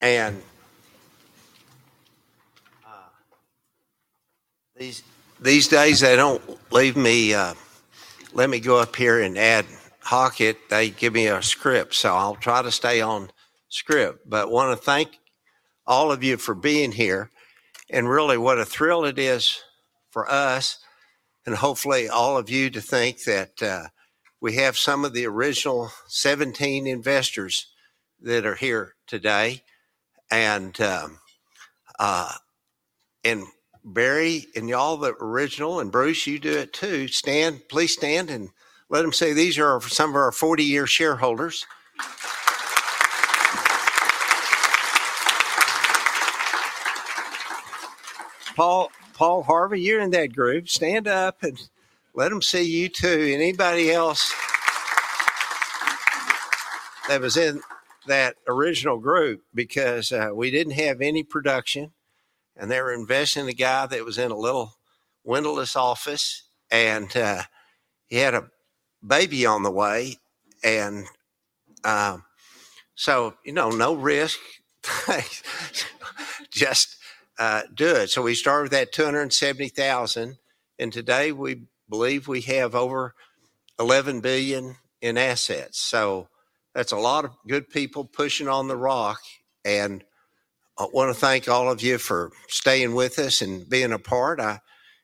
These days, they do not leave me. Let me go up here and add Hockett. They give me a script. I will try to stay on script, but want to thank all of you for being here and really what a thrill it is for us and hopefully all of you to think that we have some of the original stuff. Seventeen investors that are here today, and Barry and y'all, the original. And Bruce, you do it too. Please stand and let them say, these are some of our 40 year shareholders. Paul, Paul Harvey, you are in that group. Stand up and let them see you too. Anybody else that was in that original group, because we did not have any production and they were investing in the guy that was in a little windowless office and he had a baby on the way. You know, no risk, just do it. We started with that $270,000 and today we believe we have over $11 billion in assets. That is a lot of good people pushing on the rock. I want to thank all of you for staying with us and being a part. I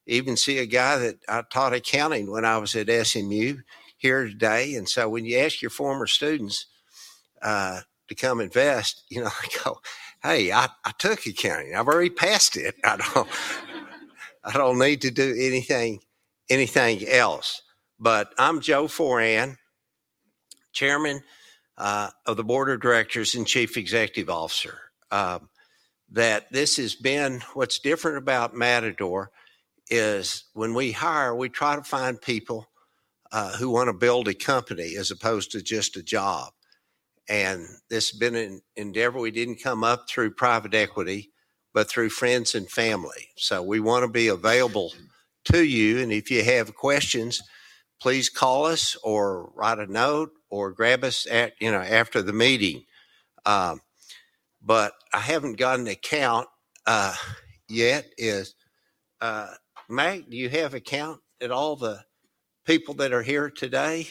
even see a guy that I taught accounting when I was at SMU here today. When you ask your former students to come invest, you know, hey, I took accounting. I have already passed it. I do not need to do anything else. I am Joe Foran, Chairman of the Board of Directors and Chief Executive Officer. What is different about Matador is when we hire, we try to find people who want to build a company as opposed to just a job. This has been an endeavor. We didn't come up through private equity, but through friends and family. So we want to be available to you. And if you have questions, please call us or write a note or grab us at, you know, after the meeting. But I haven't got an account yet. Is Mac, do you have account at all the people that are here today?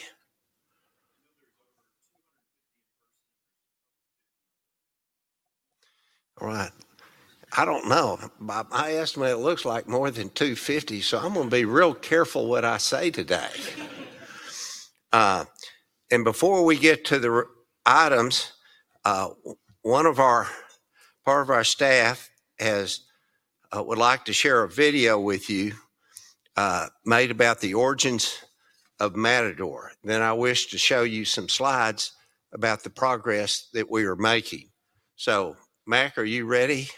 Right. I don't know. My estimate looks like more than 250. So I'm going to be real careful what I say today. And before we get to the items, one of our part of our staff has. I would like to share a video with you made about the origins of Matador. Then I wish to show you some slides about the progress that we are making. So, Mac, are you ready? Sam.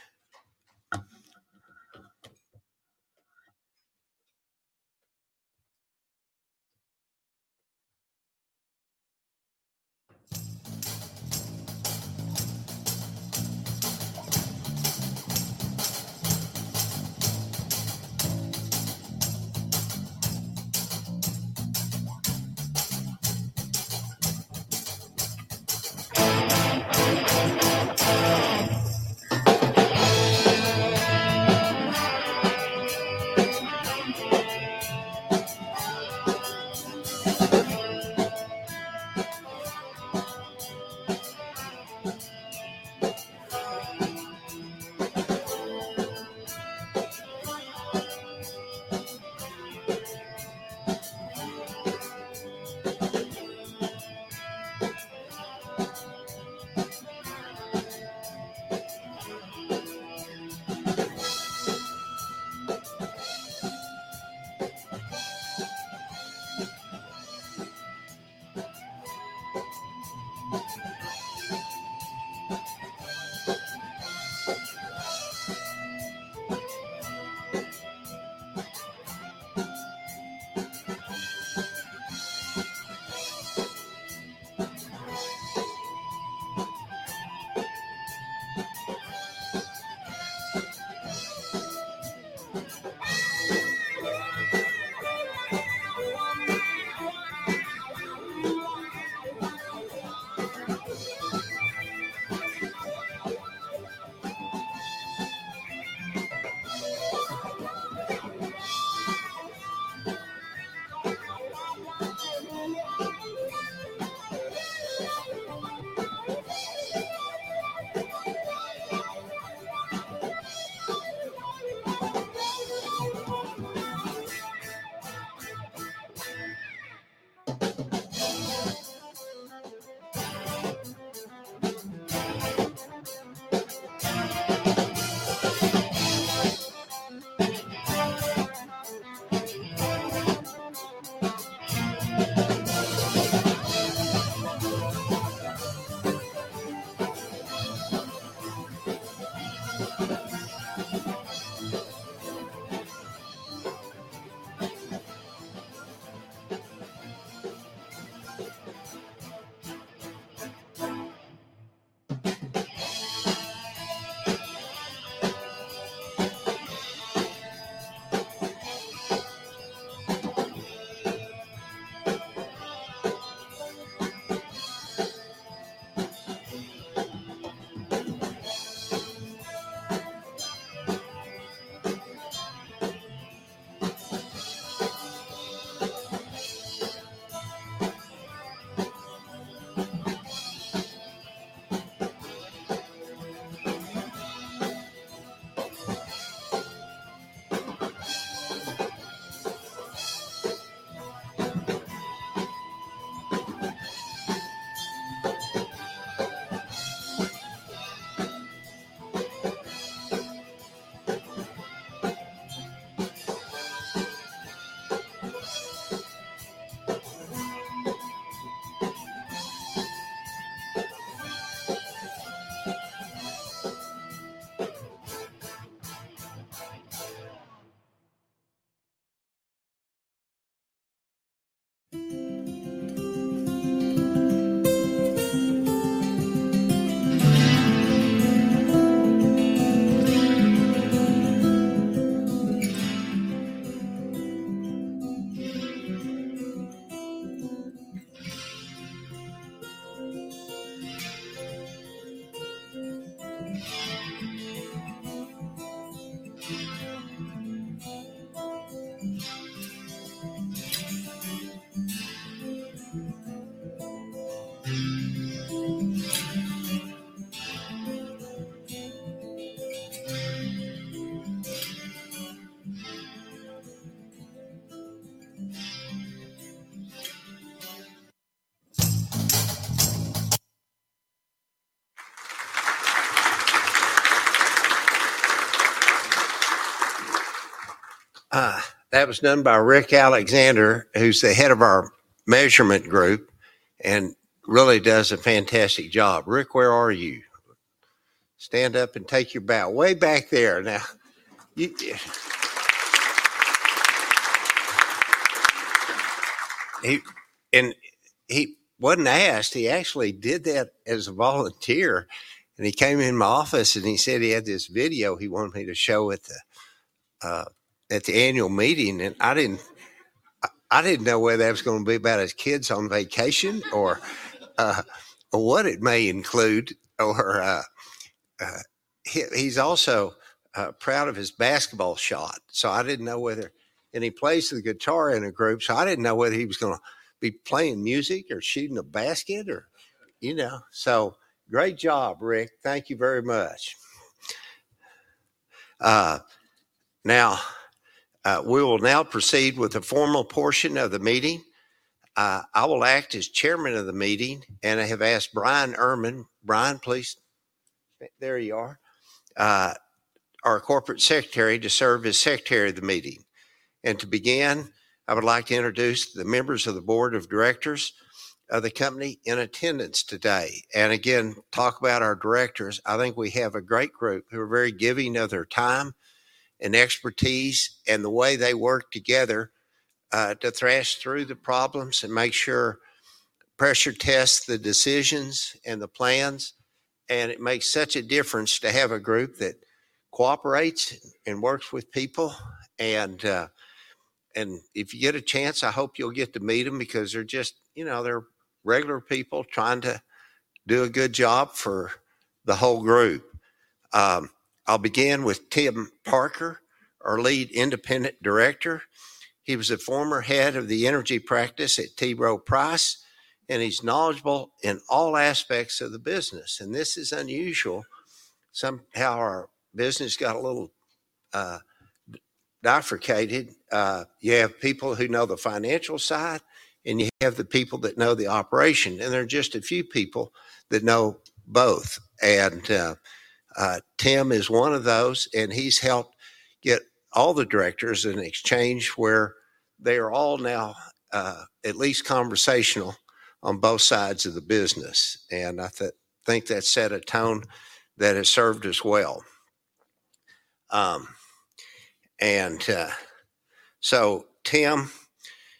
That was done by Rick Alexander, who's the head of our measurement group and really does a fantastic job. Rick, where are you? Stand up and take your bow. Way back there. Now, he wasn't asked. He actually did that as a volunteer. And he came in my office and he said he had this video he wanted me to show at the annual meeting. I didn't know whether that was going to be about his kids on vacation or what it may include, or he's also proud of his basketball shot, so I didn't know whether. He plays the guitar in a group, so I didn't know whether he was going to be playing music or shooting a basket or, you know, so. Great job, Rick. Thank you very much. Now, we will now proceed with the formal portion of the meeting. I will act as chairman of the meeting, and I have asked Bryan Erman. Bryan, please. There you are, our corporate secretary, to serve as secretary of the meeting. To begin, I would like to introduce the members of the board of directors of the company in attendance today and again, talk about our directors. I think we have a great group who are very giving of their time and expertise and the way they work together to thrash through the problems and make sure pressure test the decisions and the plans. It makes such a difference to have a group that cooperates and works with people. If you get a chance, I hope you'll get to meet them because they're just, you know, they're regular people trying to do a good job for the whole group. I'll begin with Tim Parker, our lead independent director. He was a former head of the energy practice at T. Rowe Price, and he's knowledgeable in all aspects of the business. This is unusual. Somehow our business got a little bifurcated. You have people who know the financial side and you have the people that know the operation, and there are just a few people that know both. Tim is one of those. He's helped get all the directors in exchange, where they are all now at least conversational on both sides of the business. I think that set a tone that has served us well. Tim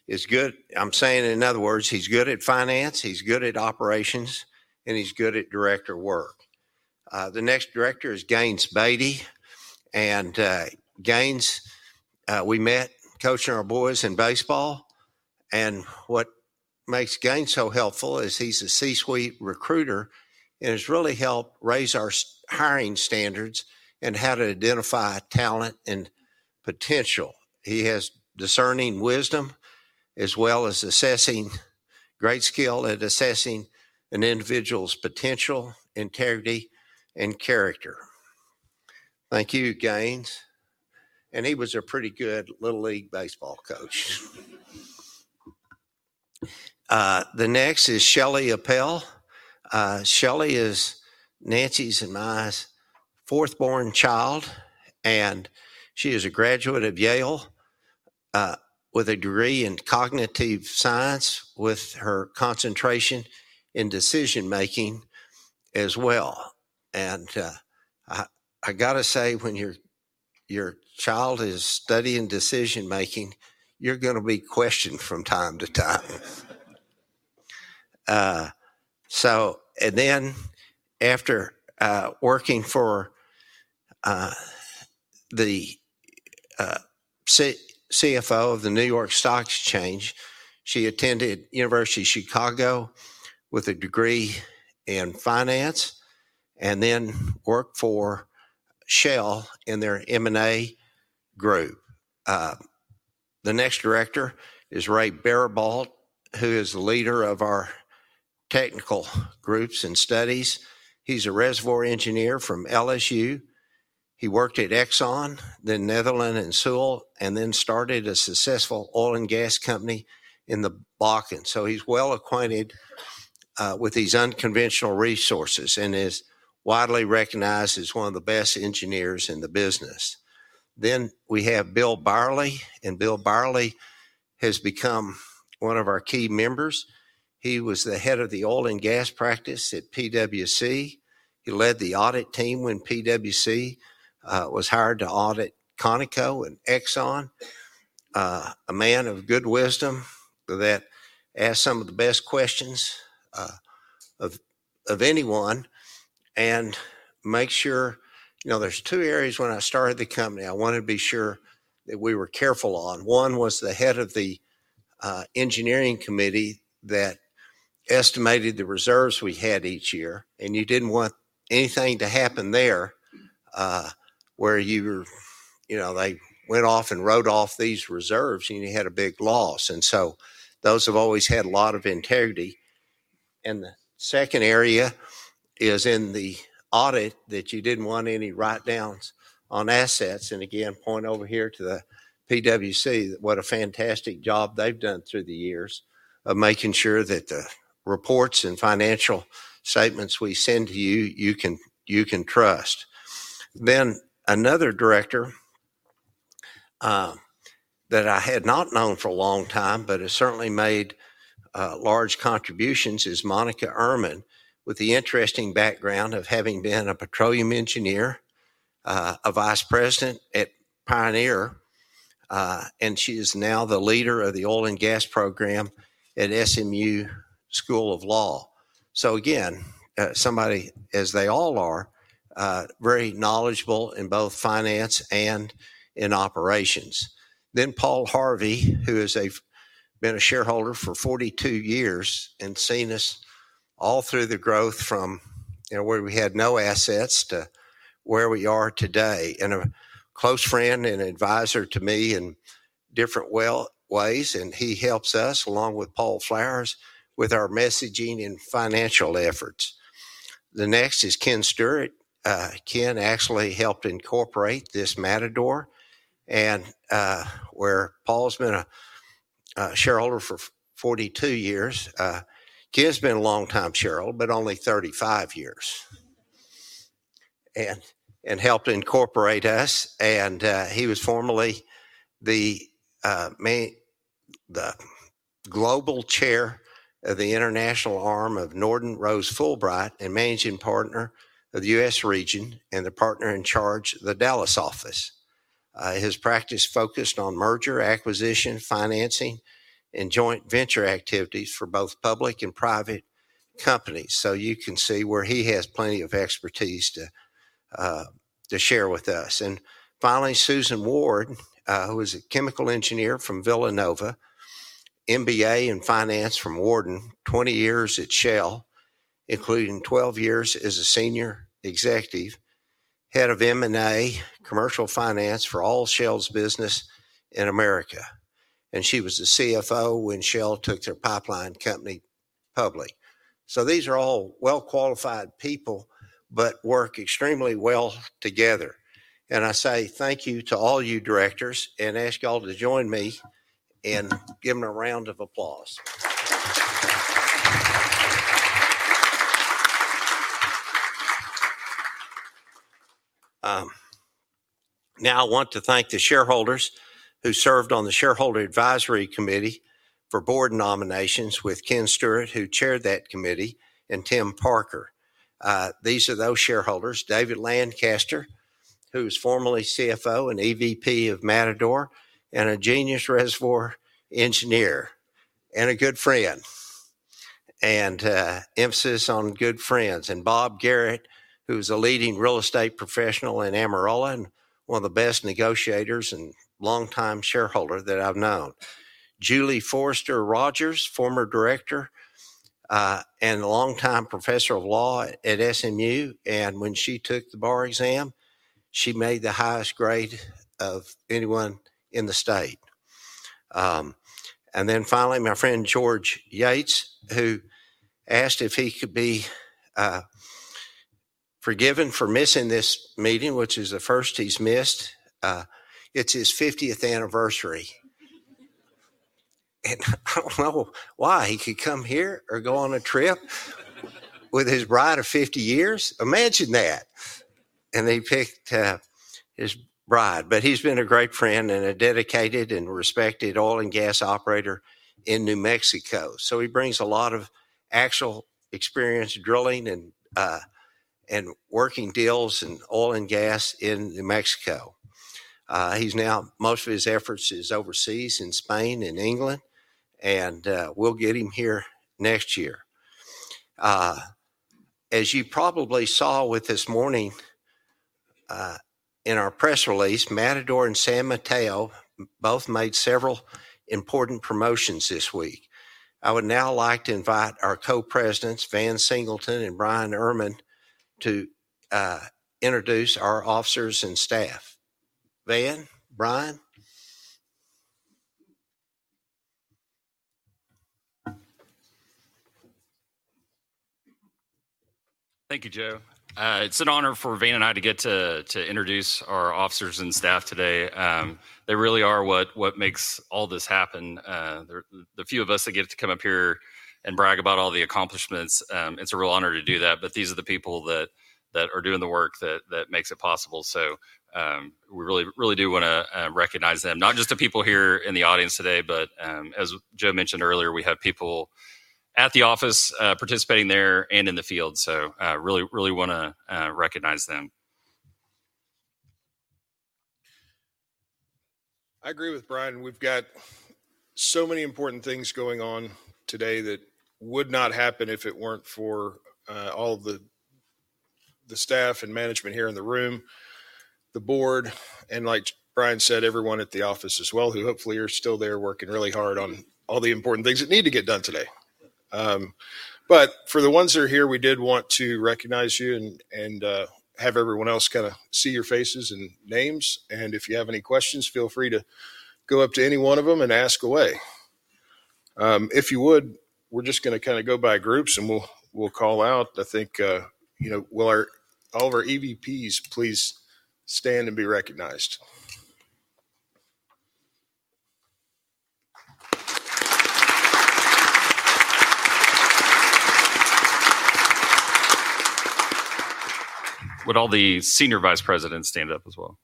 is good, I'm saying, in other words, he's good at finance, he's good at operations, and he's good at director work. The next director is Gaines Baty and Gaines we met coaching our boys in baseball. What makes Gaines so helpful is he's a C suite recruiter and has really helped raise our hiring standards and how to identify talent and potential. He has discerning wisdom as well as great skill at assessing an individual's potential, integrity, and character. Thank you, Gaines. He was a pretty good little league baseball coach. The next is Shelly Appel. Shelly is Nancy's and my fourth born child and she is a graduate of Yale with a degree in cognitive science with her concentration in decision making as well. I gotta say, when your child is studying decision making, you're gonna be questioned from time to time. After working for the CFO of the New York Stock Exchange, she attended University of Chicago with a degree in finance and then worked for Shell in their M&A group. The next director is Ray Barby who is the leader of our technical groups and studies. He's a reservoir engineer from LSU. He worked at Exxon, then Netherland Sewell, and then started a successful oil and gas company in the Bakken. So he's well acquainted with these unconventional resources and is widely recognized as one of the best engineers in the business. Then we have Bill Byerly and Bill Byerly has become one of our key members. He was the head of the oil and gas practice at PwC. He led the audit team when PwC was hired to audit Conoco and Exxon. A man of good wisdom that asked some of the best questions of anyone and make sure there's two areas when I started the company I wanted to be sure that we were careful on. One was the head of the engineering committee that estimated the reserves we had each year. You did not want anything to happen there where you, you know, they went off and wrote off these reserves and you had a big loss. Those have always had a lot of integrity. The second area is in the audit that you did not want any write downs on assets. Again, point over here to the PwC, what a fantastic job they have done through the years of making sure that the reports and financial statements we send to you, you can, you can trust. Another director that I had not known for a long time but has certainly made large contributions is Monika Ehrman with the interesting background of having been a petroleum engineer, a vice president at Pioneer, and she is now the leader of the oil and gas program at SMU School of Law. Again, somebody, as they all are, very knowledgeable in both finance and in operations. Paul Harvey, who has been a shareholder for 42 years and seen us all through the growth from where we had no assets to where we are today, and a close friend and advisor to me in different ways, and he helps us along with Paul Flowers with our messaging and financial efforts. The next is Ken Stewart. Ken actually helped incorporate this Matador and where Paul's been a shareholder for 42 years, Ken's been a longtime shareholder but only 35 years and helped incorporate us. He was formerly the global chair of the international arm of Norton Rose Fulbright and managing partner of the U.S. region and the partner in charge of the Dallas office. His practice focused on merger acquisition, financing and joint venture activities for both public and private companies. You can see where he has plenty of expertise to share with us. Finally, Susan Ward, who is a chemical engineer from Villanova, MBA in finance from Wharton, 20 years at Shell, including 12 years as a senior executive head of M&A commercial finance for all Shell's business in America. She was the CFO when Shell took their pipeline company public. These are all well qualified people but work extremely well together. I say thank you to all you directors and ask y'all to join me in giving a round of applause. Now I want to thank the shareholders who served on the shareholder advisory committee for board nominations with Ken Stewart, who chaired that committee, and Tim Parker. These are those shareholders. David Lancaster, who is formerly CFO and EVP of Matador and a genius reservoir engineer and a good friend and emphasis on good friends. Bob Garrett, who's a leading real estate professional in Amarillo and one of the best negotiators and longtime shareholder that I've known. Julie Forster Rogers, former director and longtime professor of law at SMU. When she took the bar exam, she made the highest grade of anyone in the state. Finally, my friend George Yates, who asked if he could be forgiven for missing this meeting, which is the first he has missed. It is his 50th anniversary and I do not know why. He could come here or go on a trip with his bride of 50 years. Imagine that. They picked his bride. He has been a great friend and a dedicated and respected oil and gas operator in New Mexico. He brings a lot of actual experience drilling and working deals and oil and gas in New Mexico. Now most of his efforts are overseas in Spain, in England, and we will get him here next year. As you probably saw this morning in our press release, Matador and San Mateo both made several important promotions this week. I would now like to invite our Co-Presidents Van Singleton and Bryan Erman to introduce our officers and staff. Van, Bryan. Thank you, Joe. It's an honor for Van and I to get to introduce our officers and staff today. They really are what makes all this happen. The few of us that get to come up here and brag about all the accomplishments, it's a real honor to do that. These are the people that are doing the work that makes it possible. We really, really do want to recognize them. Not just the people here in the audience today, but as Joe mentioned earlier, we have people at the office participating there and in the field, so really, really want to recognize them. I agree with Bryan. We've got so many important things going on today that would not happen if it weren't for all the staff and management here in the room, the board, and like Bryan said, everyone at the office as well, who hopefully are still there working really hard on all the important things that need to get done today. For the ones that are here, we did want to recognize you and have everyone else kind of see your faces and names. If you have any questions, feel free to go up to any one of them and ask away, if you would. We're just going to kind of go by groups and we'll call out. I think, you know, will all of our EVPs please stand and be recognized? Would all the Senior Vice Presidents stand up as well?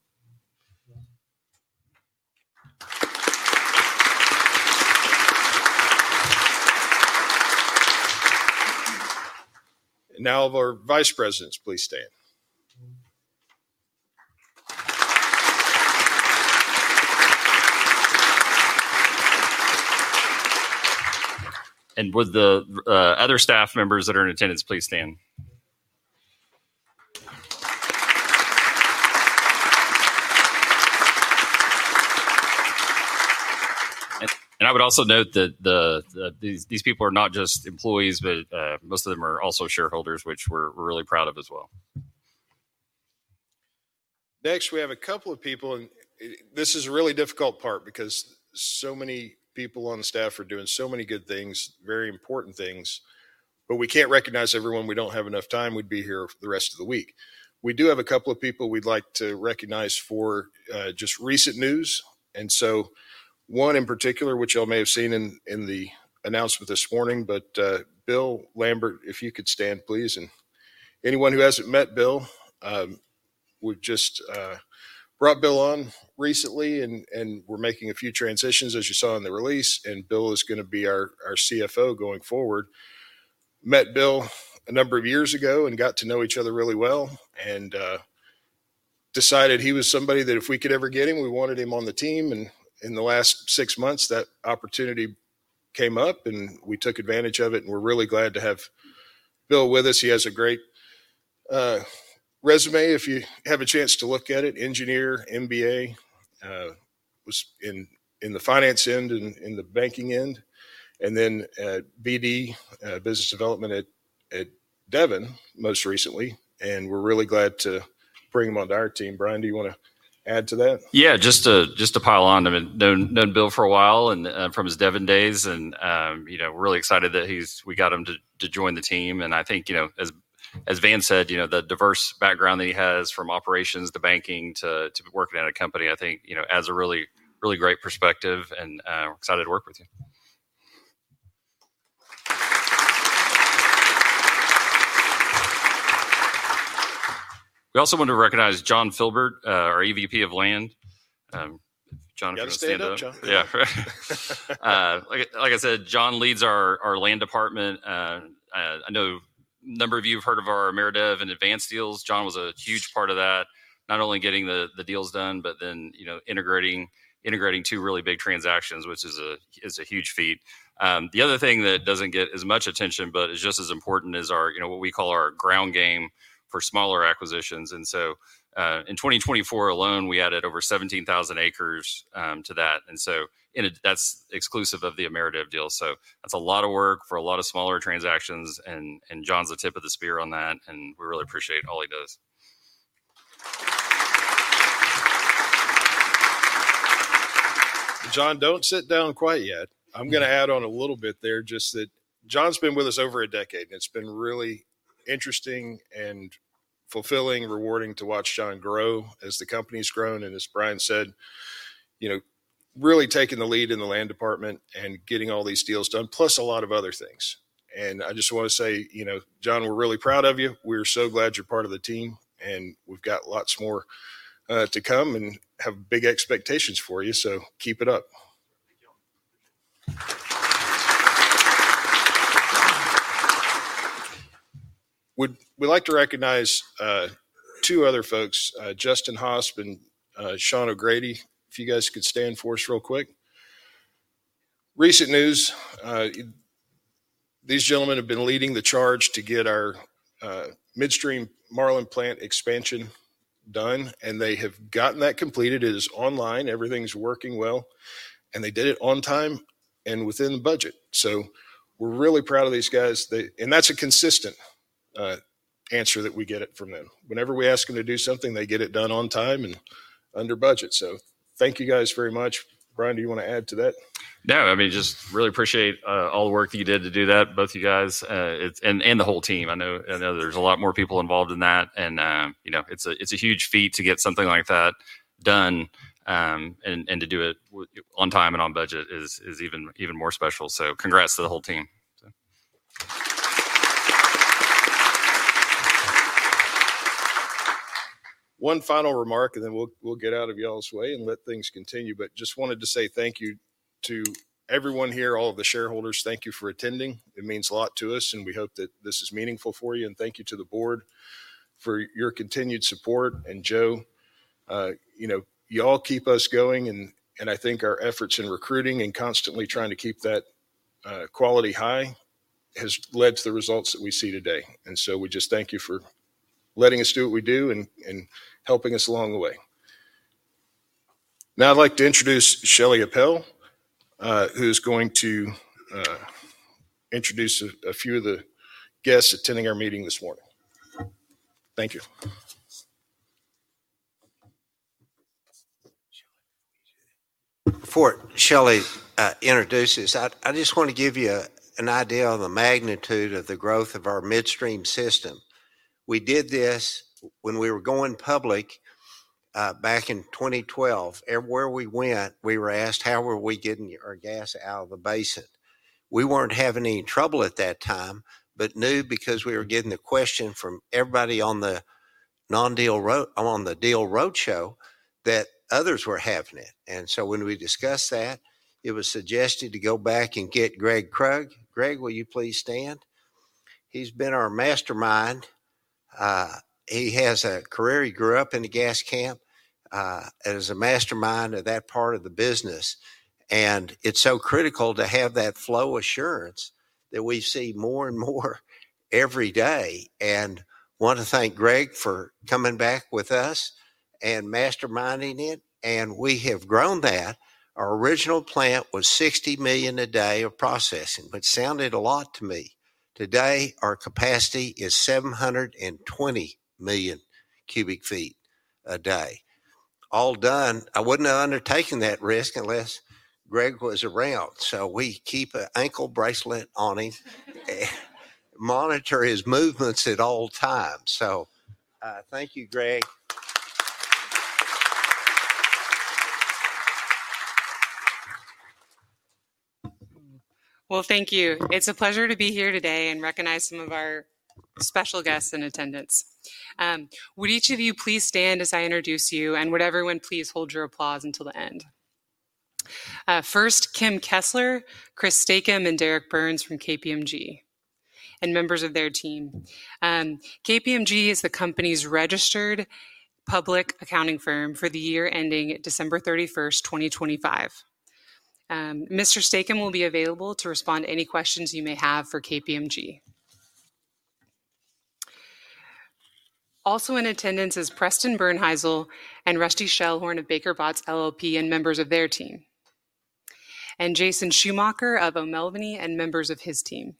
Now our Vice Presidents please stand. Would the other staff members that are in attendance please stand? I would also note that these people are not just employees, but most of them are also shareholders, which we're really proud of as well. Next, we have a couple of people, and this is a really difficult part because so many people on staff are doing so many good things, very important things, but we can't recognize everyone. We don't have enough time. We'd be here the rest of the week. We do have a couple of people we'd like to recognize for just recent news. One in particular, which y'all may have seen in the announcement this morning, but Bill Lambert, if you could stand, please. Anyone who hasn't met Bill would. Just brought Bill on recently, and we're making a few transitions, as you saw in the release. Bill is going to be our CFO going forward. Met Bill a number of years ago and got to know each other really well and decided he was somebody that if we could ever get him, we wanted him on the team. In the last six months, that opportunity came up and we took advantage of it. We're really glad to have Bill with us. He has a great resume, if you have a chance to look at it. Engineer, MBA, was in the finance end and in the banking end and then BD, business development at Devon most recently. We're really glad to bring him onto our team. Bryan, do you want to add to that. Yeah, just to pile on. I mean, known Bill for a while and from his Devon days and, you know, really excited that he's got him to join the team. I think, you know, as Van said, you know, the diverse background that he has, from operations to banking to working at a company, I think, you know, adds a really, really great perspective. Excited to work with you. We also want to recognize John Filbert, our EVP of land. John. Gotta stand up, John. Yeah, like. Like I said, John leads our land department. I know a number of you have heard of our Ameredev and Advance deals. John was a huge part of that. Not only getting the deals done, but then, you know, integrating. Integrating two really big transactions, which is a. It's a huge feat. The other thing that does not get as much attention but is just as important is our, you know, what we call our ground game for smaller acquisitions. In 2024 alone, we added over 17,000 acres to that. That is exclusive of the Ameredev deal. That is a lot of work for a lot of smaller transactions. John's the tip of the spear on that and we really appreciate all he does. John, don't sit down quite yet. I'm going to add on a little bit there just that John's been with us over a decade and it's been really interesting and fulfilling, rewarding to watch John grow as the company's grown. As Bryan said, you know, really taking the lead in the land department and getting all these deals done, + a lot of other things. I just want to say, you know, John, we're really proud of you. We're so glad you're part of the team and we've got lots more to come and have big expectations for you, so keep it up. We'd like to recognize two other folks, Justin Hosp and Sean O'Grady, if you guys could stand for us real quick. Recent news. These gentlemen have been leading the charge to get our midstream Marlin plant expansion done. They have gotten that completed. It is online. Everything's working well, and they did it on time and within the budget. We're really proud of these guys. That's a consistent answer that we. Get it from them. Whenever we ask them to do something, they get it done on time and under budget. Thank you guys very much. Bryan, do you want to add to that? No, I mean, just really appreciate all the work that you did to do that. Both you guys and the whole team. I know there's a lot more people involved in that. You know, it's a huge feat to get something like that done. To do it on time and on budget is even more special. Congrats to the whole team. One final remark, and then we'll get out of y'alls way and let things continue. Just wanted to say thank you to everyone here, all of the shareholders. Thank you for attending. It means a lot to us and we hope that this is meaningful for you. Thank you to the board for your continued support. Joe, you know, you all keep us going and I think our efforts in recruiting and constantly trying to keep that quality high has led to the results that we see today. We just thank you for letting us do what we do and helping us along the way. Now I'd like to introduce Shelly Appel, who is going to introduce a few of the guests attending our meeting this morning. Thank you. Before Shelly introduces, I just want to give you an idea of the magnitude of the growth of our midstream system. We did this when we were going public back in 2012. Everywhere we went, we were asked how were we getting our gas out of the basin. We were not having any trouble at that time, but knew because we were getting the question from everybody on the non deal road, on the deal roadshow, that others were having it. When we discussed that, it was suggested to go back and get Greg Krug. Greg, will you please stand? He has been our mastermind. He has a career. He grew up in a gas camp as a mastermind of that part of the business. It is so critical to have that flow assurance that we see more and more every day. I want to thank Greg for coming back with us and masterminding it. We have grown that. Our original plant was 60 million a day of processing, which sounded a lot to me. Today our capacity is 720 million cubic feet a day. All done. I would not have undertaken that risk unless Greg was around. We keep an ankle bracelet on him, monitor his movements at all times. Thank you, Greg. Thank you. It's a pleasure to be here today and recognize some of our special guests in attendance. Would each of you please stand as I introduce you. Would everyone please hold your applause until the end. First, Kim Kessler, Kristen, Chris Statham, and Derek Burns from KPMG and members of their team. KPMG is the company's registered public accounting firm for the year ending December 31st, 2025. Mr. Stakeham will be available to respond to any questions you may have for KPMG. Also in attendance is Preston Bernheisel and Rusty Schellhorn of Baker Botts LLP and members of their team, and Jason Schumacher of O'Melveny and members of his team.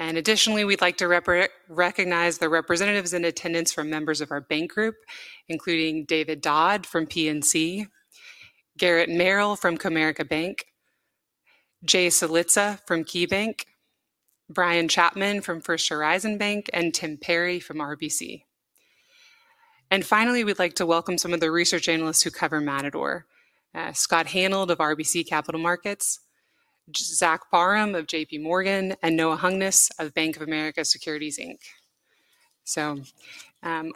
Additionally, we'd like to recognize the representatives in attendance from members of our bank group, including David Dodd from PNC, Garrett Merrill from Comerica Bank, Jay Solica from KeyBank, Bryan Chapman from First Horizon Bank, and Tim Perry from RBC. Finally, we'd like to welcome some of the research analysts who cover Matador, Scott Hanold of RBC Capital Markets, Zach Barum of JP Morgan, and Noah Hungness of Bank of America Securities.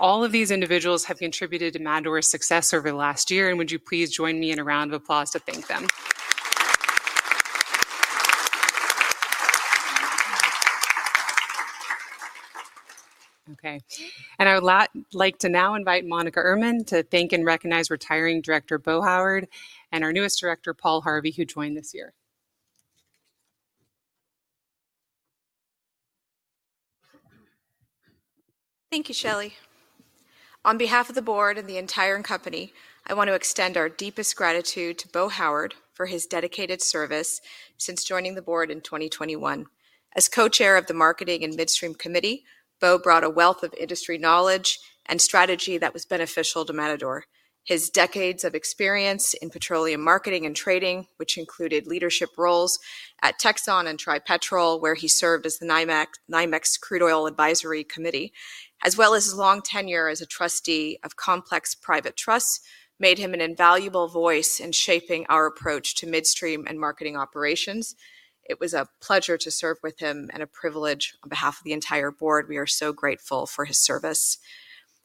All of these individuals have contributed to Matador's success over the last year. Would you please join me in a round of applause to thank them? Okay. I would like to now invite Monika Ehrman to thank and recognize retiring Director Bo Howard and our newest director, Paul Harvey, who joined this year. Thank you, Shelley. On behalf of the board and the entire company, I want to extend our deepest gratitude to Bo Howard for his dedicated service since joining the board in 2021 as co-chair of the Marketing and Midstream Committee. Bo brought a wealth of industry knowledge and strategy that was beneficial to Matador. His decades of experience in petroleum marketing and trading, which included leadership roles at Texon and Tripetrol where he served as the NYMEX Crude Oil Advisory Committee, as well as his long tenure as a trustee of complex private trusts, made him an invaluable voice in shaping our approach to midstream and marketing operations. It was a pleasure to serve with him and a privilege on behalf of the entire board. We are so grateful for his service.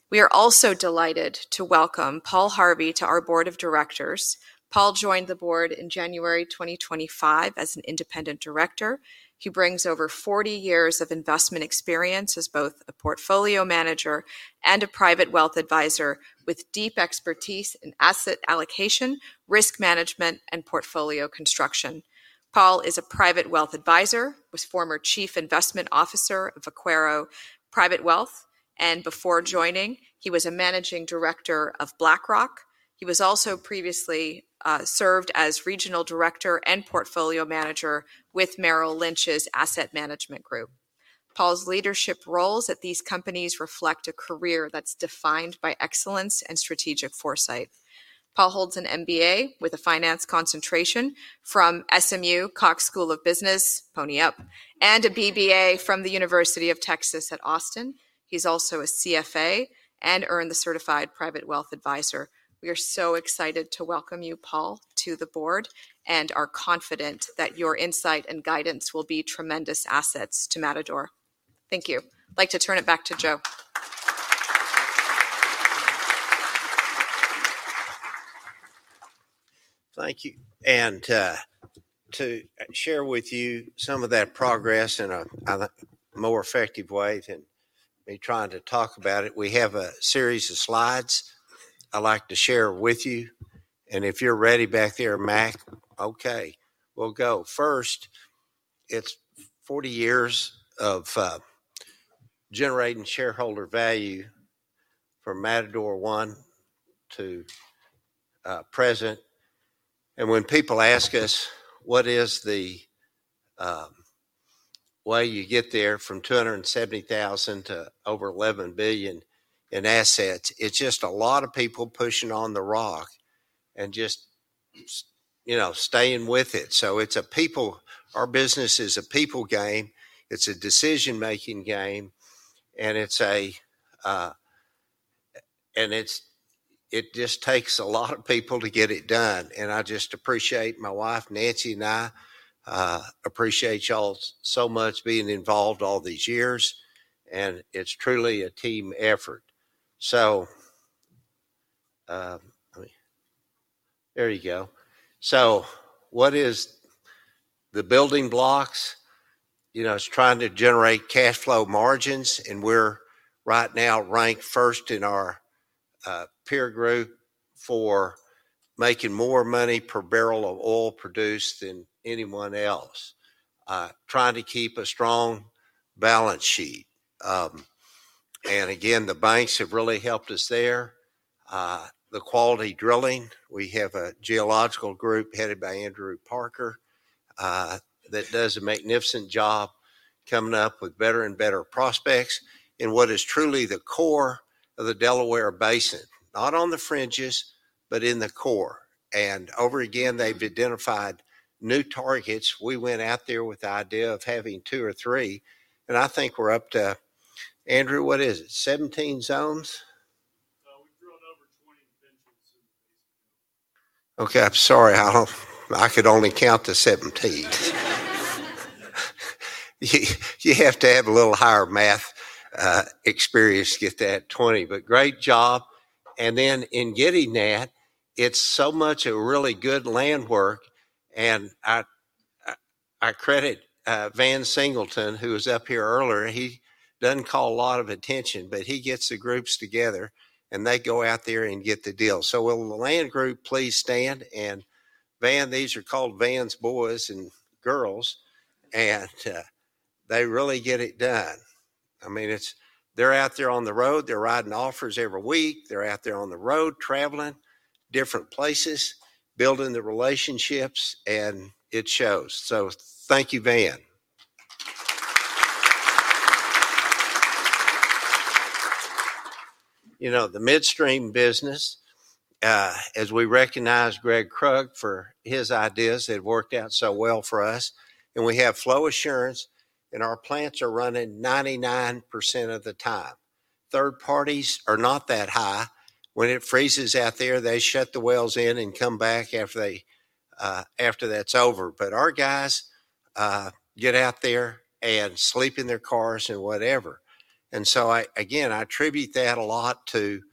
We are also delighted to welcome Paul Harvey to our Board of Directors. Paul joined the board in January 2025 as an independent director. He brings over 40 years of investment experience as both a portfolio manager and a private wealth advisor with deep expertise in asset allocation, risk management and portfolio construction. Paul is a private wealth advisor, was former Chief Investment Officer of Acuerdo Private Wealth and before joining he was a managing director of BlackRock. He was also previously served as regional director and portfolio manager with Merrill Lynch's Asset Management Group. Paul's leadership roles at these companies reflect a career that's dedicated, defined by excellence and strategic foresight. Paul holds an MBA with a finance concentration from SMU, Cox School of Business, Pony up. And a BBA from The University of Texas at Austin. He's also a CFA and earned the Certified Private Wealth Advisor. We are so excited to welcome you, Paul, to the board and are confident that your insight and guidance will be tremendous assets to Matador. Thank you. Like to turn it back to Joe. Thank you. To share with you some of that progress in a more effective way than me trying to talk about it, we have a series of slides I would like to share with you. If you're ready back there, Mac, we will go first. It is 40 years of generating shareholder value from Matador 1 to present. When people ask us what is the way you get there, from $270,000 to over $11 billion in assets, it is just a lot of people pushing on the rock and just, you know, staying with it. Our business is a people game. It is a decision making game. It just takes a lot of people to get it done. I just appreciate my wife Nancy and I appreciate y'all so much being involved all these years. It's truly a team effort. So. There you go. What is the building blocks? You know, it's trying to generate cash flow margins. We're right now ranked first in our peer group for making more money per barrel of oil produced than anyone else, trying to keep a strong balance sheet. Again, the banks have really helped us there, the quality drilling. We have a geological group headed by Andrew Parker that does a magnificent job coming up with better and better prospects in what is truly the core of the Delaware Basin. Not on the fringes, but in the core. Over again, they've identified new targets. We went out there with the idea of having two or three, and I think we're up to, Andrew, what is it? 17 zones? Okay, I'm sorry, I don't. I could only count to 17. You have to have a little higher math experience to get that 20, but great job. In getting that, it's so much a really good land work. I credit Van Singleton, who was up here earlier. He does not call a lot of attention, but he gets the groups together and they go out there and get the deal. Will the land group please stand and Van. These are called Van's boys and girls. They really get it done. I mean, it's, they're out there on the road, they're writing offers every week. They're out there on the road traveling different places, building the relationships and it shows. Thank you, Van. You know, the midstream business, as we recognize Greg Krug for his ideas that worked out so well for us. We have flow assurance and our plants are running 99% of the time. Third parties are not that high. When it freezes out there, they shut the wells in and come back after they. After that's over. Our guys get out there and sleep in their cars and whatever. I again, I attribute that a lot to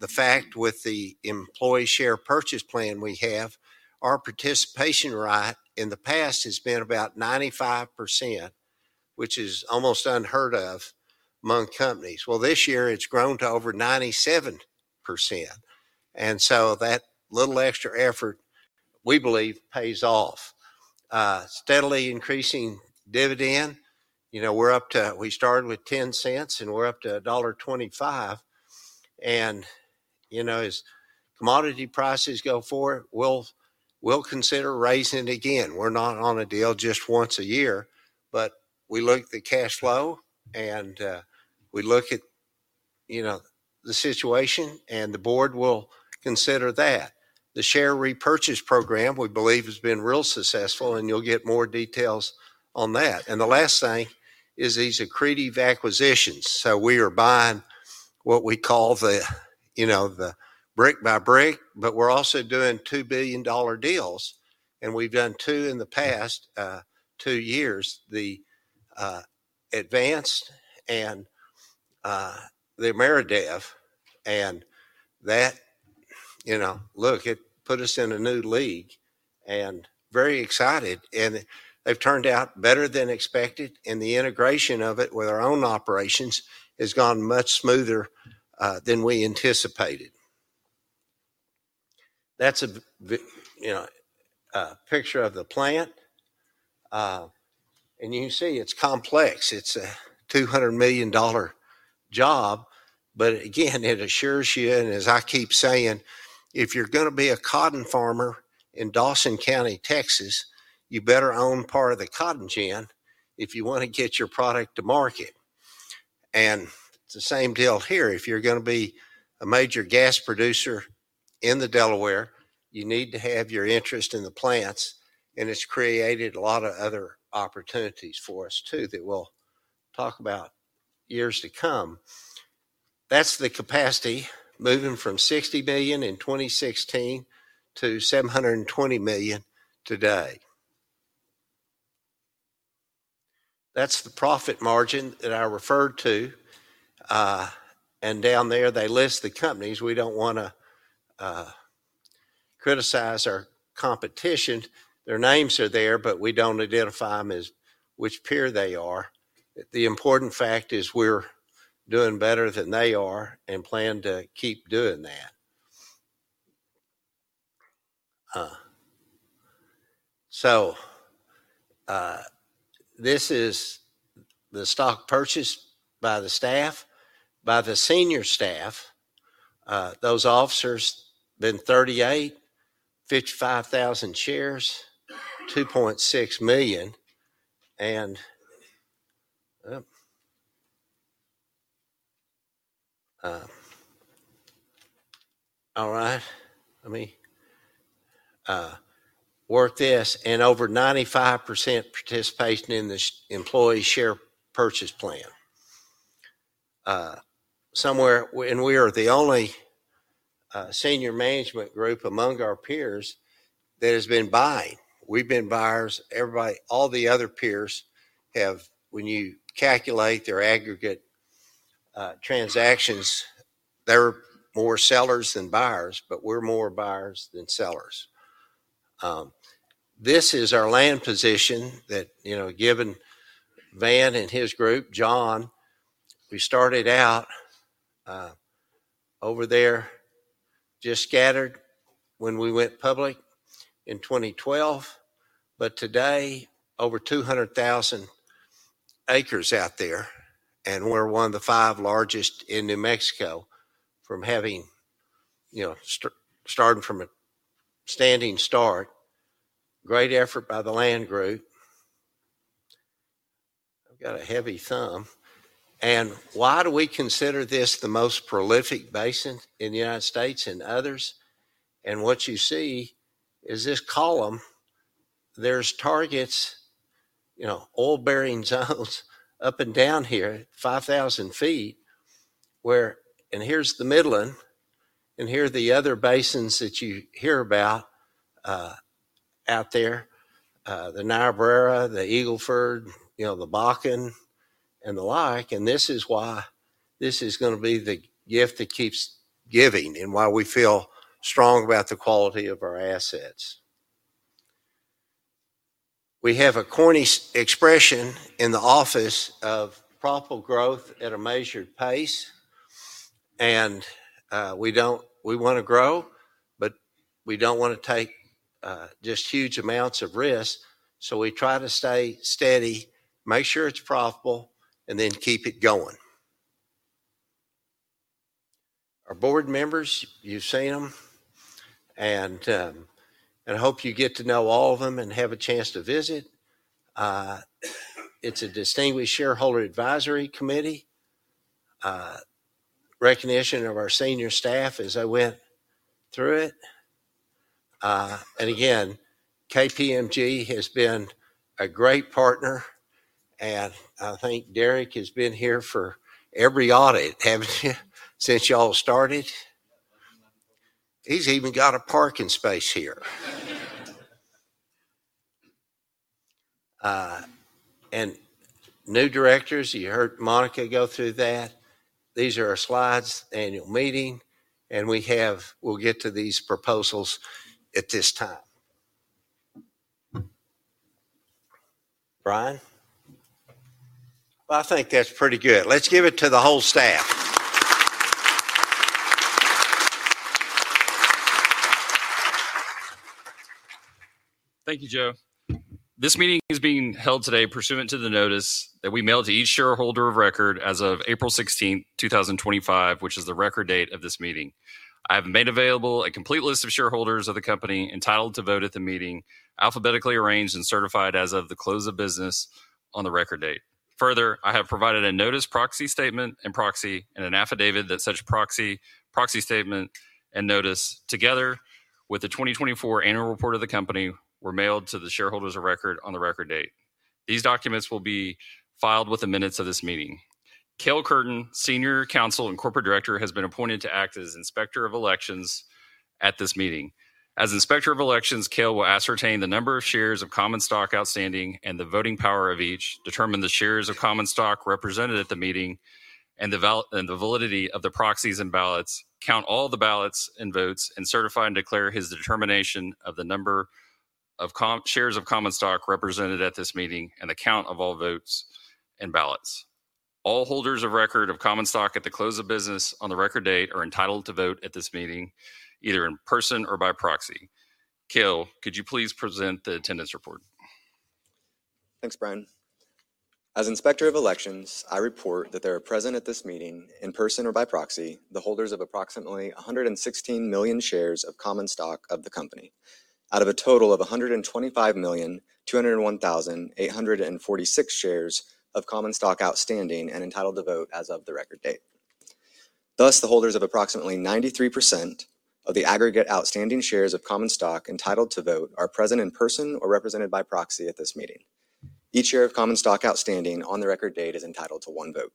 the fact with the employee share purchase plan we have, our participation right in the past has been about 95%, which is almost unheard of among companies. This year it's grown to over 97%. That little extra effort, we believe, pays off. Steadily increasing dividend. You know, we're up to. We started with 10 cents and we're up to $1.25. You know, as commodity prices go forward, we'll consider raising again. We're not on a deal just once a year, but we look at the cash flow and we look at, you know, the situation, and the board will consider that. The share repurchase program, we believe, has been real successful. You'll get more details on that. The last thing is these accretive acquisitions. We are buying what we call the, you know, the brick by brick. We're also doing $2 billion deals, and we've done two in the past two years, the Advanced and the Ameredev. That, you know, look, it put us in a new league and very excited, and they've turned out better than expected. The integration of it with our own operations has gone much smoother than we anticipated. That's a, you know, picture of the plant. You see, it's complex. It's a $200 million job, but again, it assures you. As I keep saying, if you're going to be a cotton farmer in Dawson County, Texas, you better own part of the cotton gin if you want to get your product to market. It's the same deal here. If you're going to be a major gas producer in the Delaware, you need to have your interest in the plants. It's created a lot of other opportunities for us, too, that we'll talk about years to come. That's the capacity moving from 60 million in 2016 to 720 million today. That's the profit margin that I referred to. Down there, they list the companies. We don't want to criticize our competition. Their names are there, but we don't identify them as which peer they are. The important fact is we're doing better than they are and plan to keep doing that. This is the stock purchased by the staff, by the senior staff, those officers, been 38, 55,000 shares, $2.6 million and all right, let me work this. And over 95% participation in this employee share purchase plan somewhere. We are the only senior management group among our peers that has been buying. We've been buyers, everybody, all the other peers have. When you calculate their aggregate transactions, there are more sellers than buyers, but we're more buyers than sellers. This is our land position that, you know, given Van and his group. John, we started out over there, just scattered when we went public in 2012. Today, over 200,000 acres out there and we're one of the five largest in New Mexico from having, you know, starting from a standing start. Great effort by the land group. I've got a heavy thumb. Why do we consider this the most prolific basin in the United States and others? What you see is this column. There are targets, you know, oil bearing zones up and down here, 5,000 ft, where. Here is the Midland. Here are the other basins that you hear about out there, the Niobrara, the Eagle Ford, you know, the Bakken and the like. This is why this is going to be the gift that keeps giving and why we feel strong about the quality of our assets. We have a corny expression in the office of proper growth at a measured pace. We want to grow, but we do not want to take just huge amounts of risk. We try to stay steady, make sure it is profitable and then keep it going. Our board members, you've seen them and I hope you get to know all of them and have a chance to visit. It's a distinguished shareholder advisory committee recognition of our senior staff as I went through it. Again, KPMG has been a great partner and I think Derek has been here for every audit, haven't you, since y'all started. He's even got a parking space here. New directors, you heard Monika go through that. These are our slides annual meeting and we have. We'll get to these proposals at this time. Bryan. I think that's pretty good. Let's give it to the whole staff. Thank you, Joe. This meeting is being held today pursuant to the notice that we mailed to each shareholder of record as of April 16, 2025, which is the record date of this meeting. I have made available a complete list of shareholders of the company entitled to vote at the meeting, alphabetically arranged and certified as of the close of business on the record date. Further, I have provided a notice, proxy statement and proxy, and an affidavit that such proxy, proxy statement and notice, together with the 2024 Annual Report of the company, were mailed to the shareholders of record on the record date. These documents will be filed within minutes of this meeting. Cale Curtin, Senior Counsel and Corporate Director, has been appointed to act as Inspector of Elections at this meeting. As Inspector of Elections, Cale will ascertain the number of shares of common stock outstanding and the voting power of each, determine the shares of common stock represented at the meeting and the validity of the proxies and ballots, count all the ballots and votes, and certify and declare his determination of the number of shares of common stock represented at this meeting and the count of all votes ballots. All holders of record of common stock at the close of business on the record date are entitled to vote at this meeting either in person or by proxy. Cale, could you please present the attendance report? Thanks, Bryan. As Inspector of Elections, I report that there are present at this meeting, in person or by proxy, the holders of approximately 116 million shares of common stock of the Company out of a total of 125,201,846 shares of common stock outstanding and entitled to vote as of the record date. Thus, the holders of approximately 93% of the aggregate outstanding shares of common stock entitled to vote are present in person or represented by proxy at this meeting. Each share of common stock outstanding on the record date is entitled to one vote.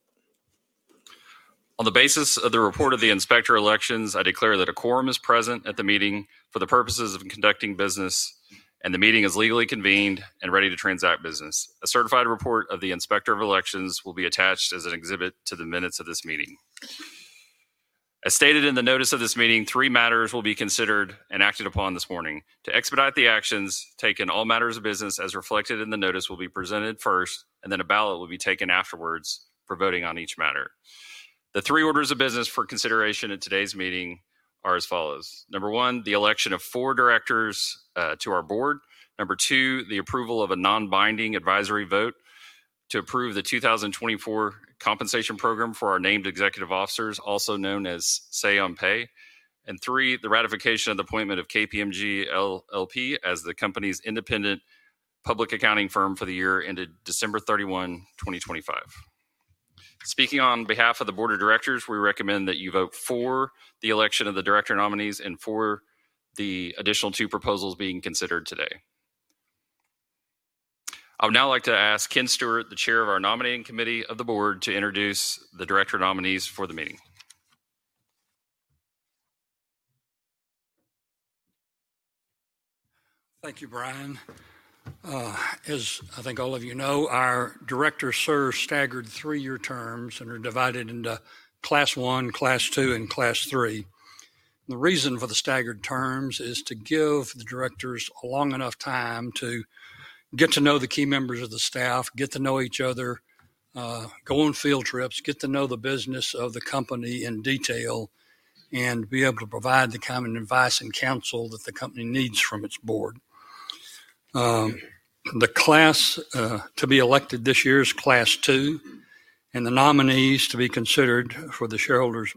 On the basis of the report of the Inspector of Elections, I declare that a quorum is present at the meeting for the purposes of conducting business and the meeting is legally convened and ready to transact business. A certified report of the Inspector of Elections will be attached as an exhibit to the minutes of this meeting. As stated in the notice of this meeting, three matters will be considered and acted upon this morning to expedite the actions taken. All matters of business as reflected in the notice will be presented first and then a ballot will be taken afterwards for voting on each matter. The three orders of business for consideration in today's meeting are as follows. Number one, the election of four Directors to our board. Number two, the approval of a non-binding advisory vote to approve the 2024 compensation program for our named executive officers, also known as say on pay. Three, the ratification of the appointment of KPMG LLP as the Company's independent public accounting firm for the year ended December 31, 2025. Speaking on behalf of the Board of Directors, we recommend that you vote for the election of the director nominees and for the additional two proposals being considered today. I would now like to ask Ken Stewart, the Chair of our Nominating Committee of the Board, to introduce the director nominees for the meeting. Thank you, Bryan. As I think all of you know, our Director serves staggered three year terms and are divided into class one, class two and class three. The reason for the staggered terms is to give the directors long enough time to get to know the key members of the staff, get to know each other, go on field trips, get to know the business of the company in detail and be able to provide the common advice and counsel that the company needs from its board. The class to be elected this year is class two and the nominees to be considered for the shareholders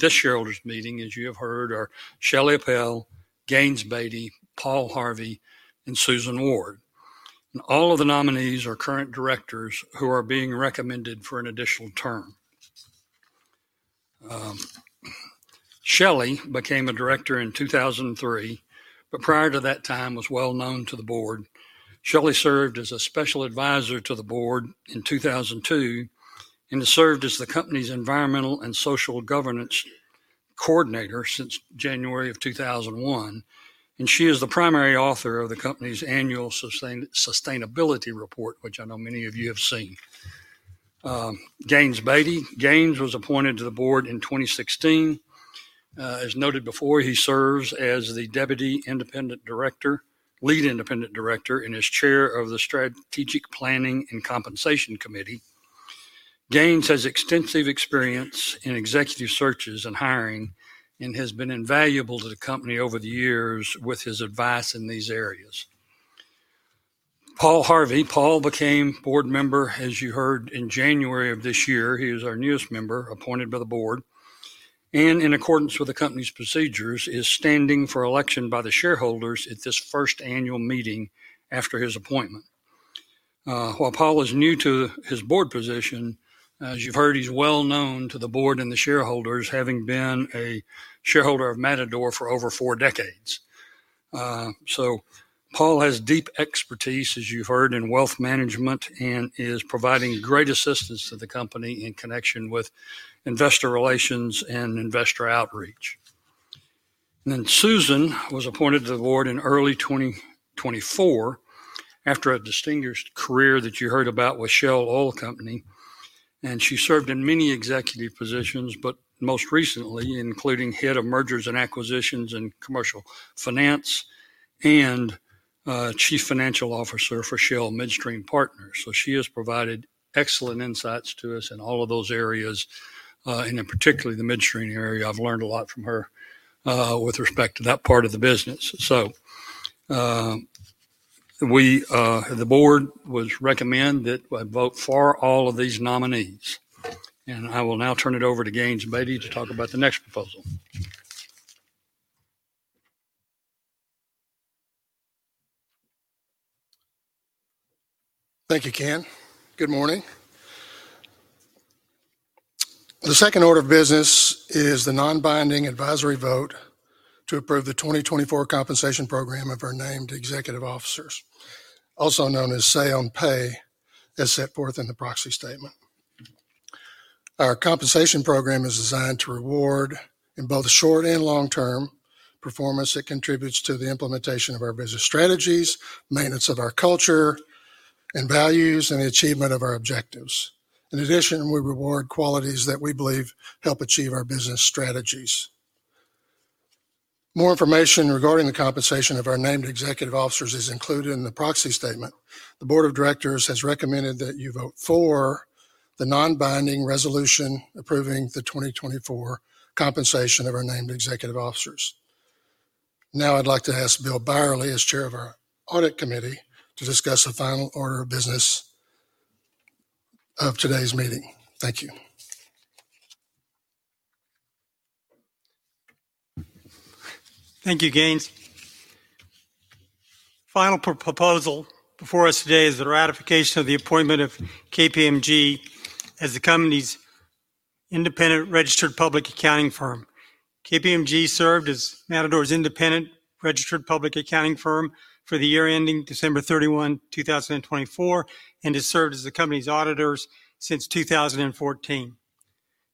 this shareholders meeting, as you have heard, are Shelly Appel, Gaines Baty, Paul Harvey and Susan Ward. All of the nominees are current directors who are being recommended for an additional term. Shelly became a director in 2003, but prior to that time was well known to the Board. Shelly served as a Special Advisor to the Board in 2002 and served as the company's Environmental and Social Governance Coordinator since January of 2001. She is the primary author of the company's annual sustainability report, which I know many of you have seen. Gaines Baty was appointed to the Board in 2016. As noted before, he serves as the Deputy Independent Director, Lead Independent Director and is Chair of the Strategic Planning and Compensation Committee. Gaines has extensive experience in executive searches and hiring and has been invaluable to the company over the years with his advice in these areas. Paul Harvey became a board member, as you heard, in January of this year. He is our newest member appointed by the board and in accordance with the company's procedures is standing for election by the shareholders at this framework first annual meeting after his appointment. While Paul is new to his board position, as you've heard, he's well known to the board and the shareholders having been a shareholder of Matador for over four decades. So Paul has deep expertise, as you heard, in wealth management and is providing great assistance to the company in connection with investor relations and investor outreach. Then Susan was appointed to the board in early 2024 after a distinguished career that you heard about with Shell Oil Co. And she served in many executive positions, but most recently including Head of Mergers and Acquisitions and Commercial Finance and Chief Financial Officer for Shell Midstream Partners. She has provided excellent insights to us in all of those areas and in particular the midstream area. I've learned a lot from her with respect to that part of the business. The board has recommended that you vote for all of these nominees and I will now turn it over to Gaines Baty to talk about the next proposal. Thank you, Ken. Good morning. The second order of business is the. Non binding advisory vote to approve the 2024 compensation program of our named executive officers, also known as Say On Pay. As set forth in the proxy statement, our compensation program is designed to reward in both short and long term performance that contributes to the implementation of our business strategies, maintenance of our culture and values, and the achievement of our objectives. In addition, we reward qualities that we believe help achieve our business strategies. More information regarding the compensation of our named executive officers is included in the proxy statement. The Board of Directors has recommended that you vote for the non binding resolution approving the 2024 compensation of our named executive officers. Now I'd like to ask Bill ByerlEy Silver. As chair of our audit committee too. Discuss the final order of business of today's meeting. Thank you. Thank you, Gaines. Final proposal before us today is the ratification of the appointment of KPMG as the company's independent registered public accounting firm. KPMG served as Matador's independent registered public accounting firm for the year ending December 31, 2024, and has served as the company's auditors since 2014.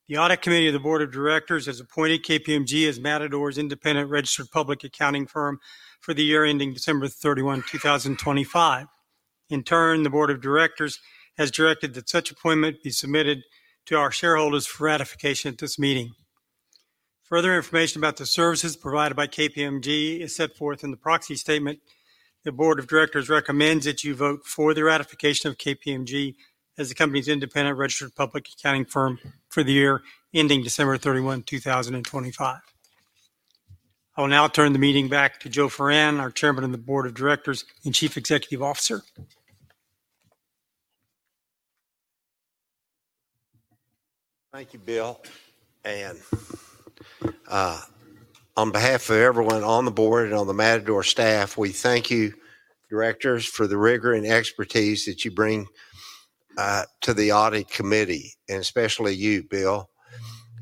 The Audit Committee of the Board of Directors has appointed KPMG as Matador's independent registered public accounting firm for the year ending December 31, 2025. In turn, the Board of Directors has directed that such appointment be submitted to our shareholders for ratification at this meeting. Further information about the services provided by KPMG is set forth in the proxy statement. The Board of Directors recommends that you vote for the ratification of KPMG as the company's independent registered public accounting firm for the year ending December 31, 2025. I will now turn the meeting back to Joe Foran, our Chairman of the Board of Directors and Chief Executive Officer. Thank you, Bill. On behalf of everyone on the board and on the Matador staff, we thank you Directors for the rigor and expertise that you bring to the Audit Committee and especially you, Bill,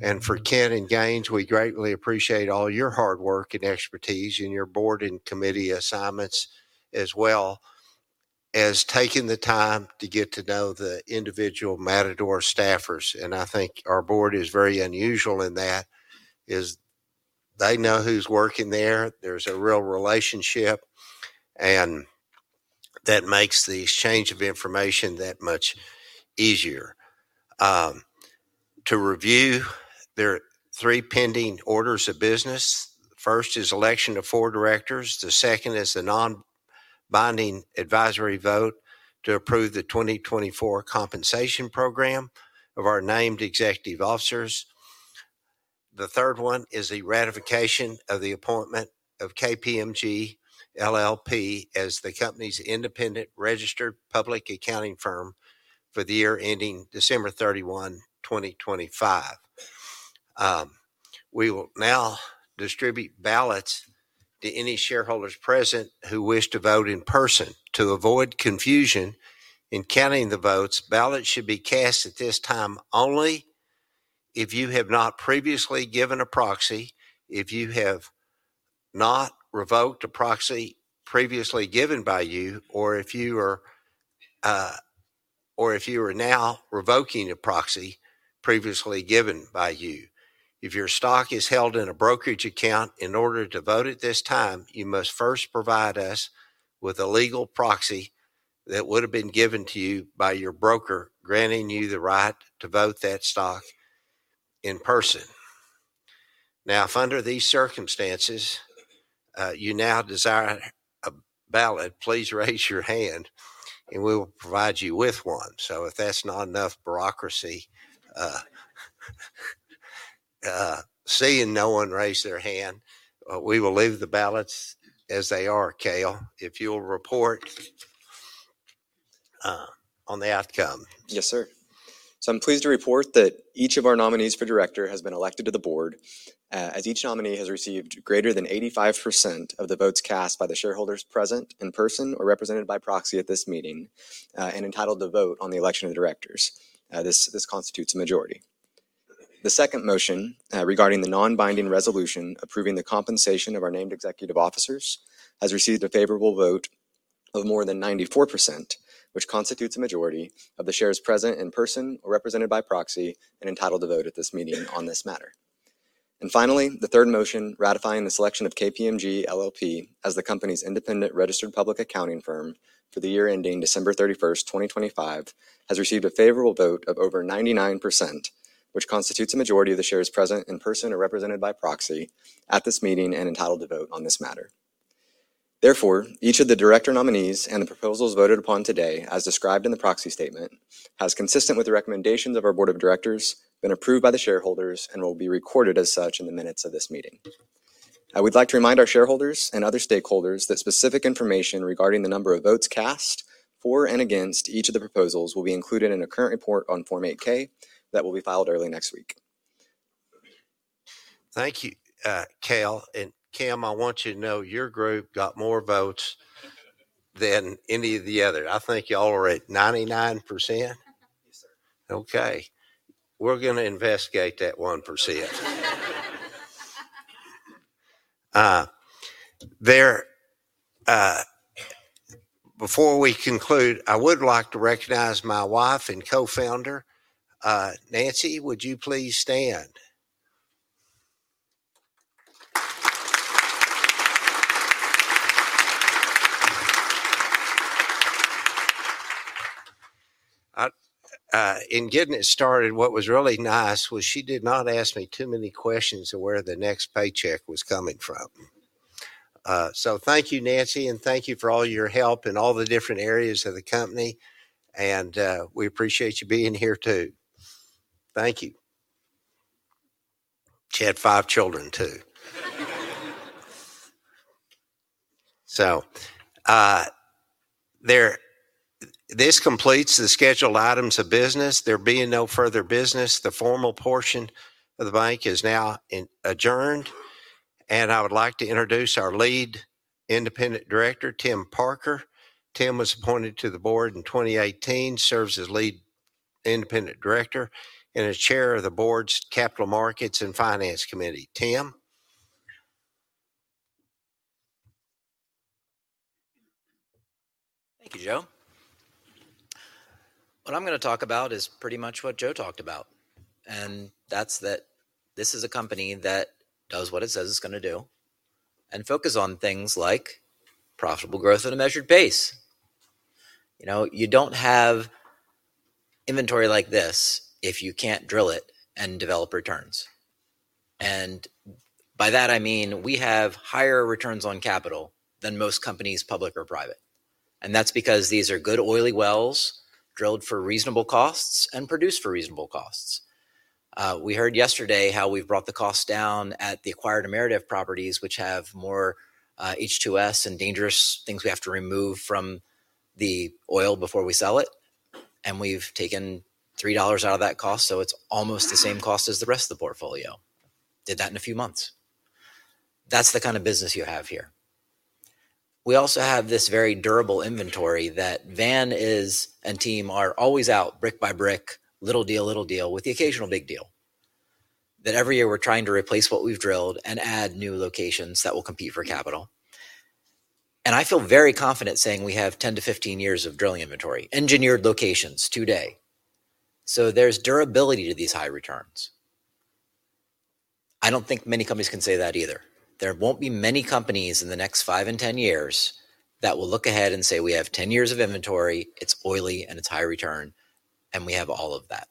and for Ken and Gaines. We greatly appreciate all your hard work and expertise in your board and committee assignments, as well as taking the time to get to know the individual Matador staffers. I think our board is very unusual in that they know who's working there. There's a real relationship. That makes the exchange of information that much easier to review. There are three pending orders of business. The first is election of four directors. The second is the non-binding advisory vote to approve the 2024 compensation program of our named executive officers. The third one is the ratification of the appointment of KPMG LLP as the company's independent registered public accounting firm for the year ending December 31, 2025. We will now distribute ballots to any shareholders present who wish to vote in person. To avoid confusion in counting the votes, ballots should be cast at this time only if you have not previously given a proxy, if you have not revoked a proxy previously given by you, or if you are now revoking a proxy previously given by you. If your stock is held in a brokerage account, in order to vote at this time, you must first provide us with a legal proxy that would have been given to you by your broker, granting you the right to vote that stock in person. Now, if under these circumstances, you now desire a ballot, please raise your hand and we will provide you with one. If that's not enough bureaucracy, seeing no one raise their hand, we will leave the ballots as they are. Cale, if you'll report on the outcome. Yes, sir. I'm pleased to report that each of our nominees for Director has been elected to the Board, as each nominee has received greater than 85% of the votes cast by the shareholders present in person or represented by proxy at this meeting and entitled to vote on the election of Directors. This constitutes a majority. The second motion regarding the non binding resolution approving the compensation of our named executive officers has received a favorable vote of more than 94%, which constitutes a majority of the shares present in person or represented by proxy and entitled to vote at this meeting on this matter. Finally, the third motion ratifying the selection of KPMG LLP as the company's independent registered public accounting firm for the year ending December 31, 2025, has received a favorable vote of over 99% which constitutes a majority of the shares present in person or represented by proxy at this meeting and entitled to vote on this matter. Therefore, each of the Director nominees and the proposals voted upon today as described in the proxy statement, has, consistent with the recommendations of our Board of Directors, been approved by the shareholders and will be recorded as such in the minutes of this meeting. I would like to remind our shareholders and other stakeholders that specific information regarding the number of votes cast for and against each of the proposals will be included in a current report on Form 8K that will be filed early next week. Thank you. Cale and Cam, I want you to know your group got more votes than any of the other. I think y'all are at 99%. Okay, we're going to investigate that 1% there. Before we conclude, I would like to recognize my wife and co-founder, Nancy. Would you please stand in getting it started. What was really nice was she did not ask me too many questions of where the next paycheck was coming from. Thank you, Nancy, and thank you for all your help in all the different areas of the company. We appreciate you being here, too. Thank you. She had five children, too. This completes the scheduled items of business. There being no further business, the formal portion of the bank is now adjourned. I would like to introduce our lead independent director, Tim Parker. Tim was appointed to the board in 2018, serves as Lead Independent Director and a chair of the board's Capital Markets and Finance Committee. Tim? Thank you, Joe. What I'm going to talk about is pretty much what Joe talked about, and that's that this is a company that does what it says it's going to do and focus on things like profitable growth at a measured pace. You know, you don't have inventory like this if you can't drill it and develop returns. And by that I mean we have higher returns on capital than most companies, public or private. And that's because these are good oily wells drilled for reasonable costs and produced for reasonable costs. We heard yesterday how we've brought the cost down at the acquired Ameredev properties, which have more H2S and dangerous things we have to remove from the oil before we sell it. And we've taken $3 out of that cost. So it's almost the same cost as the rest of the portfolio. Did that in a few months. That's the kind of business you have here. We also have this very durable inventory that Van and team are always out brick by brick, little deal, little deal with the occasional big deal that every year we're trying to replace what we've drilled and add new locations that will compete for capital. I feel very confident saying we have 10-15 years of drilling inventory engineered locations today. So there's durability to these high returns. I don't think many companies can say that either. There won't be many companies in the next five and 10 years that will look ahead and say we have 10 years of inventory. It's oily and it's high return and we have all of that.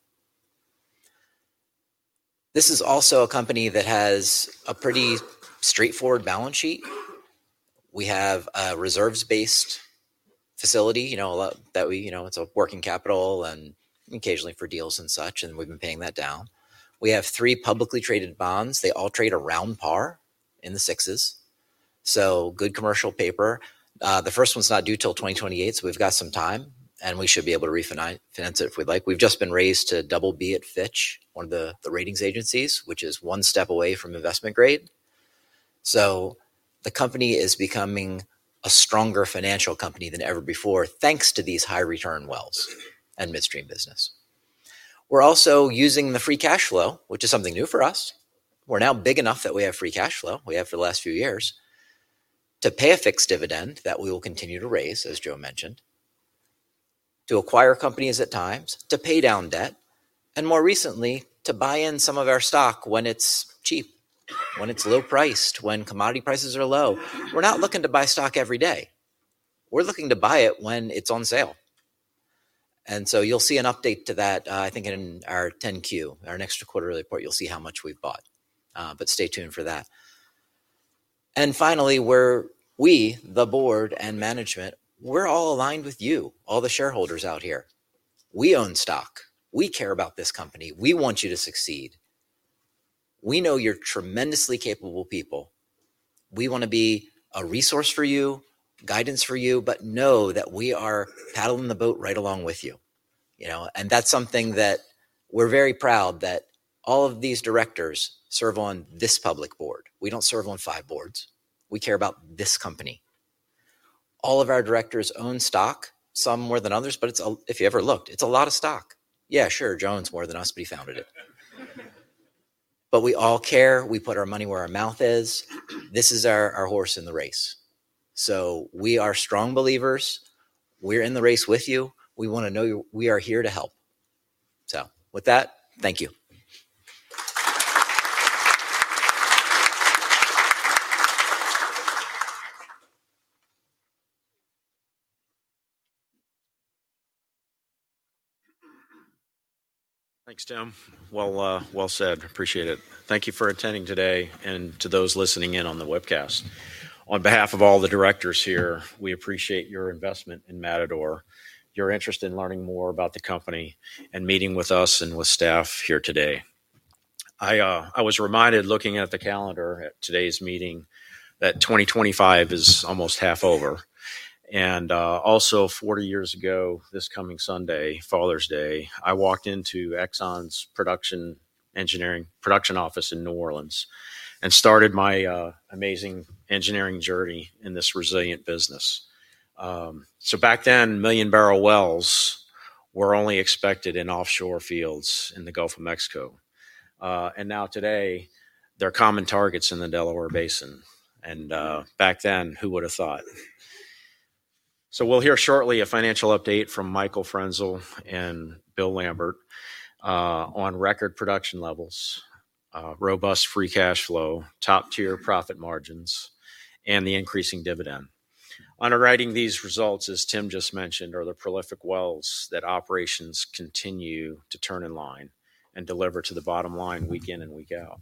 This is also a company that has a pretty straightforward balance sheet. We have a reserves-based facility, you know, that we, you know, it's a working capital and occasionally for deals and such, and we've been paying that down. We have three publicly traded bonds. They all trade around par in the sixes. So good commercial paper. The first one's not due till 2028, so we've got some time and we should be able to refinance, finance it if we'd like. We've just been raised to double B at Fitch, one of the ratings agencies, which is one step away from investment grade. The company is becoming a stronger financial company than ever before thanks to these high return wells and midstream business. We're also using the free cash flow, which is something new for us. We're now big enough that we have free cash flow. We have for the last few years to pay a fixed dividend that we will continue to raise, as Joe mentioned, to acquire companies at times to pay down debt and more recently to buy in some of our stock when it's cheap, when it's low priced, when commodity prices are low. We're not looking to buy stock every day. We're looking to buy it when it's on sale. You will see an update to that, I think, in our 10Q, our next quarter report. You will see how much we've bought, but stay tuned for that. Finally, where we, the board and management, we're all aligned with you, all the shareholders out here, we own stock. We care about this company. We want you to succeed. We know you're tremendously capable people. We want to be a resource for you, guidance for you. Know that we are paddling the boat right along with you, you know, and that's something that we're very proud that all of these directors serve on this public board. We don't serve on five boards. We care about this company. All of our directors own stock, some more than others. If you ever looked, it's a lot of stock. Yeah, sure, Joe's more than us, but he founded it. We all care. We put our money where our mouth is. This is our horse in the race. We are strong believers. We're in the race with you. We want you to know we are here to help. With that, thank you. Thanks, Tim. Well said. Appreciate it. Thank you for attending today. And to those listening in on the webcast, on behalf of all the directors here, we appreciate your investment in Matador, your interest in learning more about the company and meeting with us and with staff here today. I was reminded looking at the calendar at today's meeting that 2025 is almost half over. Also, 40 years ago this coming Sunday, Father's Day, I walked into Exxon's production engineering production office in New Orleans and started my amazing engineering journey in this resilient business. Back then, million barrel wells were only expected in offshore fields in the Gulf of Mexico. Now today they're common targets in the Delaware Basin. Back then, who would have thought? We'll hear shortly a financial update from Michael Frenzel and Bill Lambert on record production levels, robust free cash flow, top tier profit margins, and the increasing dividend underwriting. These results, as Tim just mentioned, are the prolific wells that operations continue to turn in line and deliver to the bottom line week in and week out.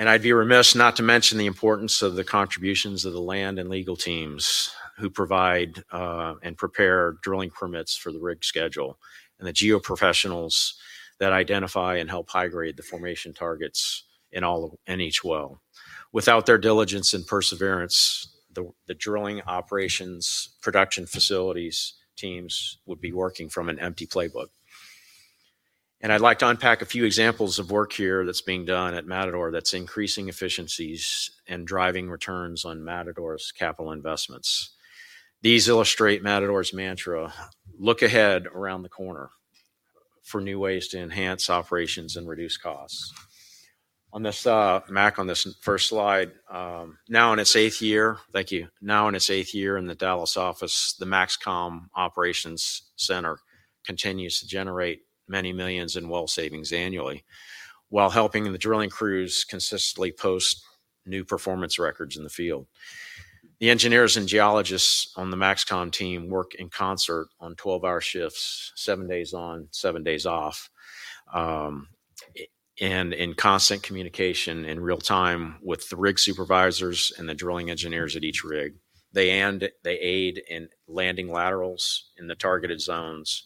I'd be remiss not to mention the importance of the contributions of the land and legal teams who provide and prepare drilling permits for the rig schedule and the geoprofessionals that identify and help high grade the formation targets in all NH well. Without their diligence and perseverance, the drilling operations production facilities teams would be working from an empty playbook. I'd like to unpack a few examples of work here that's being done at Matador that's increasing efficiencies and driving returns on Matador's capital investments. These illustrate Matador's mantra. Look ahead around the corner for new ways to enhance operations and reduce costs on this Maxcom on this first slide. Now in its eighth year. Thank you. Now in its eighth year in the Dallas office, the Maxcom Operations Center continues to generate many millions in well savings annually while helping the drilling crews consistently post new performance records in the field. The engineers and geologists on the Maxcom team work in concert on 12 hour shifts, seven days on, seven days off, and in constant communication in real time with the rig supervisors and the drilling engineers at each rig. They aid in landing laterals in the targeted zones,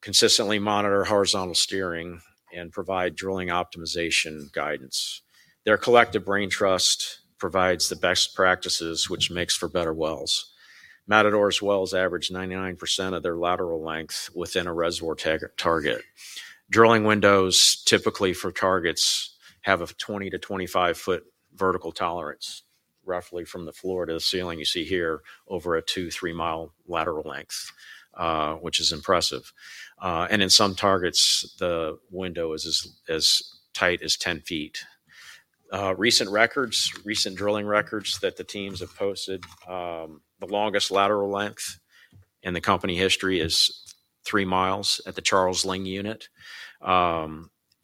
consistently monitor horizontal steering and provide drilling optimization guidance. Their collective brain trust provides the best practices which makes for better wells. Matador's wells average 99% of their lateral length within a reservoir target. Drilling windows, typically for targets, have a 20-25 foot vertical tolerance roughly from the floor to the ceiling you see here over a 2, 3 mile lateral length, which is impressive. In some targets the window is as tight as 10 ft. Recent drilling records that the teams have posted: the longest lateral length in the company history is 3 miles at the Charles Ling unit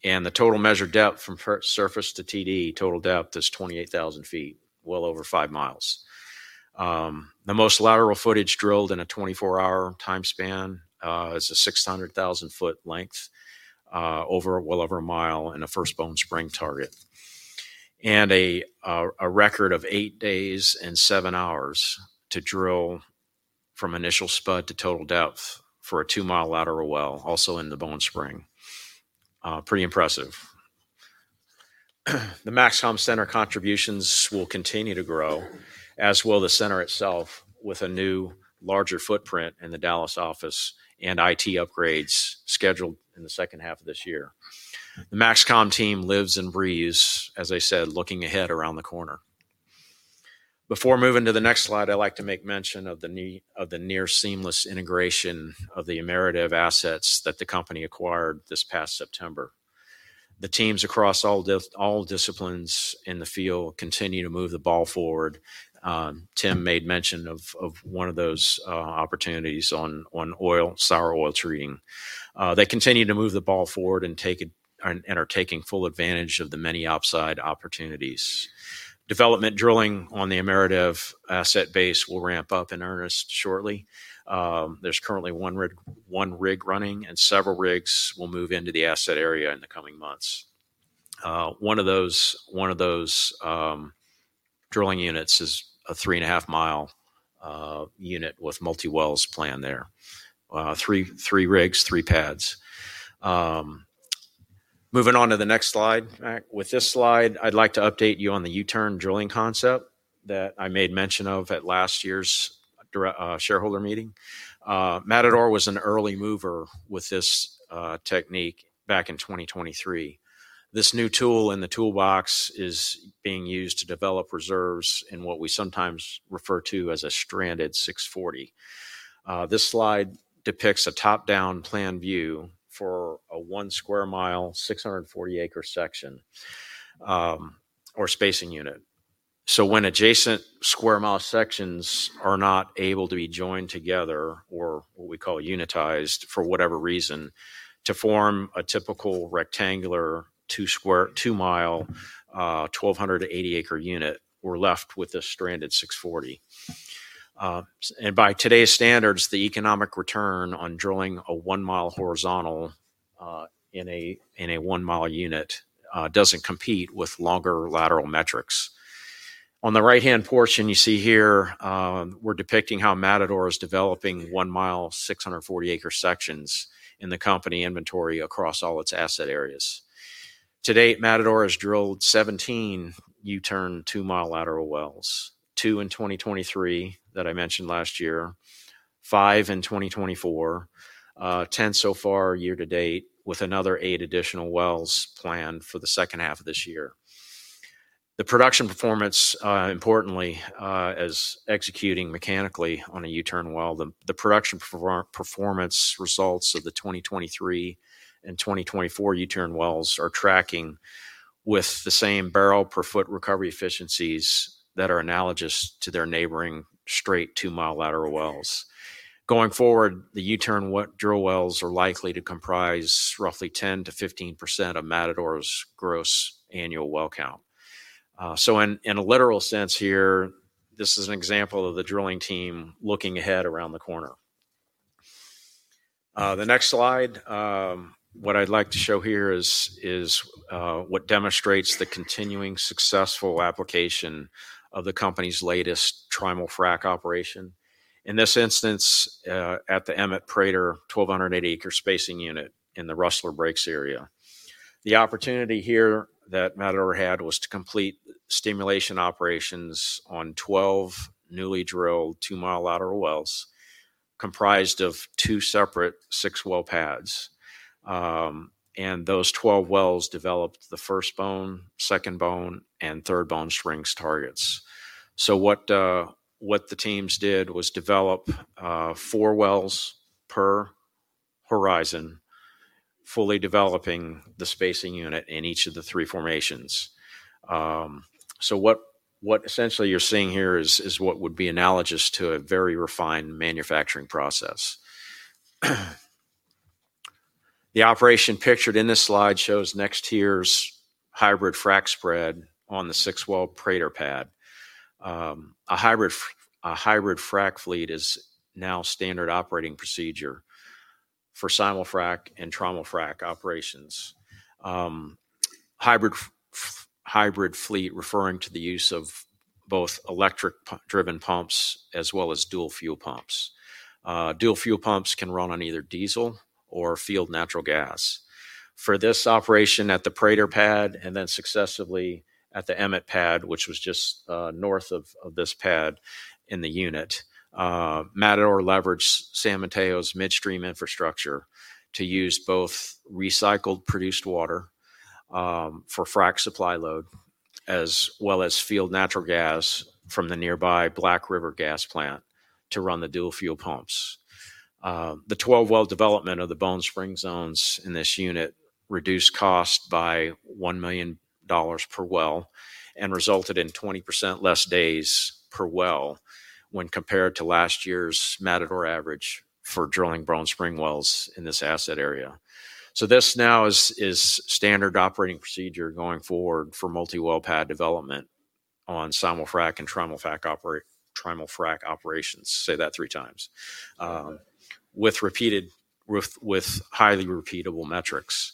and the total measured depth from surface to TD, total depth, is 28,000 ft, well over 5 miles. The most lateral footage drilled in a 24 hour time span is a 6,000 foot length, well over a mile, in a first Bone Spring target, and a record of 8 days and 7 hours to drill from initial spud to total depth for a 2 mile lateral well, also in the Bone Spring. Pretty impressive. The Maxcom center contributions will continue to grow as will the center itself with a new larger footprint in the Dallas office and IT upgrades scheduled in the second half of this year. The Maxcom team lives and breathes, as I said, looking ahead around the corner. Before moving to the next slide, I'd like to make mention of the near seamless integration of the Ameredev assets that the company acquired this past September. The teams across all disciplines in the field continue to move the ball forward. Tim made mention of one of those opportunities on sour oil treating. They continue to move the ball forward and are taking full advantage of the many upside opportunities. Development drilling on the Ameredev asset base will ramp up in earnest shortly. There's currently one rig running and several rigs will move into the asset area in the coming months. One of those, one of those drilling units is a three and a half mile unit with multi wells plan there, three, three rigs, three pads. Moving on to the next slide. With this slide I'd like to update you on the U-Turn Drilling concept that I made mention of at last year's shareholder meeting. Matador was an early mover with this technique back in 2023. This new tool in the toolbox is being used to develop reserves in what we sometimes refer to as a stranded 640. This slide depicts a top down plan view for a 1 sq mi 640 acre section or spacing unit. When adjacent square mile sections are not able to be joined together or what we call unitized for whatever reason to form a typical rectangular 2 sq mi 1,280 acre unit, we're left with a stranded 640. By today's standards the economic return drilling a 1 mile horizontal in a 1 mile unit doesn't compete with longer lateral metrics. On the right hand portion, you see here we're depicting how Matador is developing 1 mile 640 acre sections in the company inventory across all its asset areas. Today Matador has drilled 17 U-Turn 2 mile lateral wells, 2 in 2023 that I mentioned last year, 5 in 2024 so far year to date, with another 8 additional wells planned for the second half of this year. The production performance, importantly, as executing mechanically on a U-Turn well, the production performance results of the 2023 and 2024 U-Turn wells are tracking with the same barrel per foot recovery efficiencies that are analogous to their neighboring straight 2 mile lateral wells. Going forward, the U-Turn drill wells are likely to comprise roughly 10%-15% of Matador's gross annual well count. In a literal sense here, this is an example of the drilling team looking ahead around the corner. The next slide, what I'd like to show here is what demonstrates the continuing successful application of the company's latest training Trimal Frac operation, in this instance at the Emmett Prater 1,280 acre spacing unit in the Rustler Breaks area. The opportunity here that Matador had was to complete stimulation operations on 12 newly drilled two mile lateral wells comprised of two separate six well pads, and those 12 wells developed the first Bone, second, second Bone, and third Bone Spring targets. What the teams did was develop four wells per horizon, fully developing the spacing unit in each of the three formations. What? What essentially you're seeing here is what would be analogous to a very refined manufacturing process. The operation pictured in this slide shows next here's hybrid frac spread on the six well Prater pad. A hybrid frac fleet is now standard operating procedure for Simulfrac and Trimal Frac operations. Hybrid fleet referring to the use of both electric driven pumps as well as dual fuel pumps. Dual fuel pumps can run on either diesel or field natural gas for this operation at the Prater pad and then successively at the Emmett pad which was just north of this pad in the unit. Matador leveraged San Mateo's midstream infrastructure to use both recycled produced water for frac supply load as well as field natural gas from the nearby Black River gas plant to run the dual fuel pumps. The 12 well development of the Bone Spring zones in this unit reduced cost by $1 million per well and resulted in 20% less days per well when compared to last year's Matador average for drilling Bone Spring wells in this asset area. This now is standard operating procedure going forward for multi well pad development on Simulfrac and Trimal Frac operations. Say that three times with highly repeatable metrics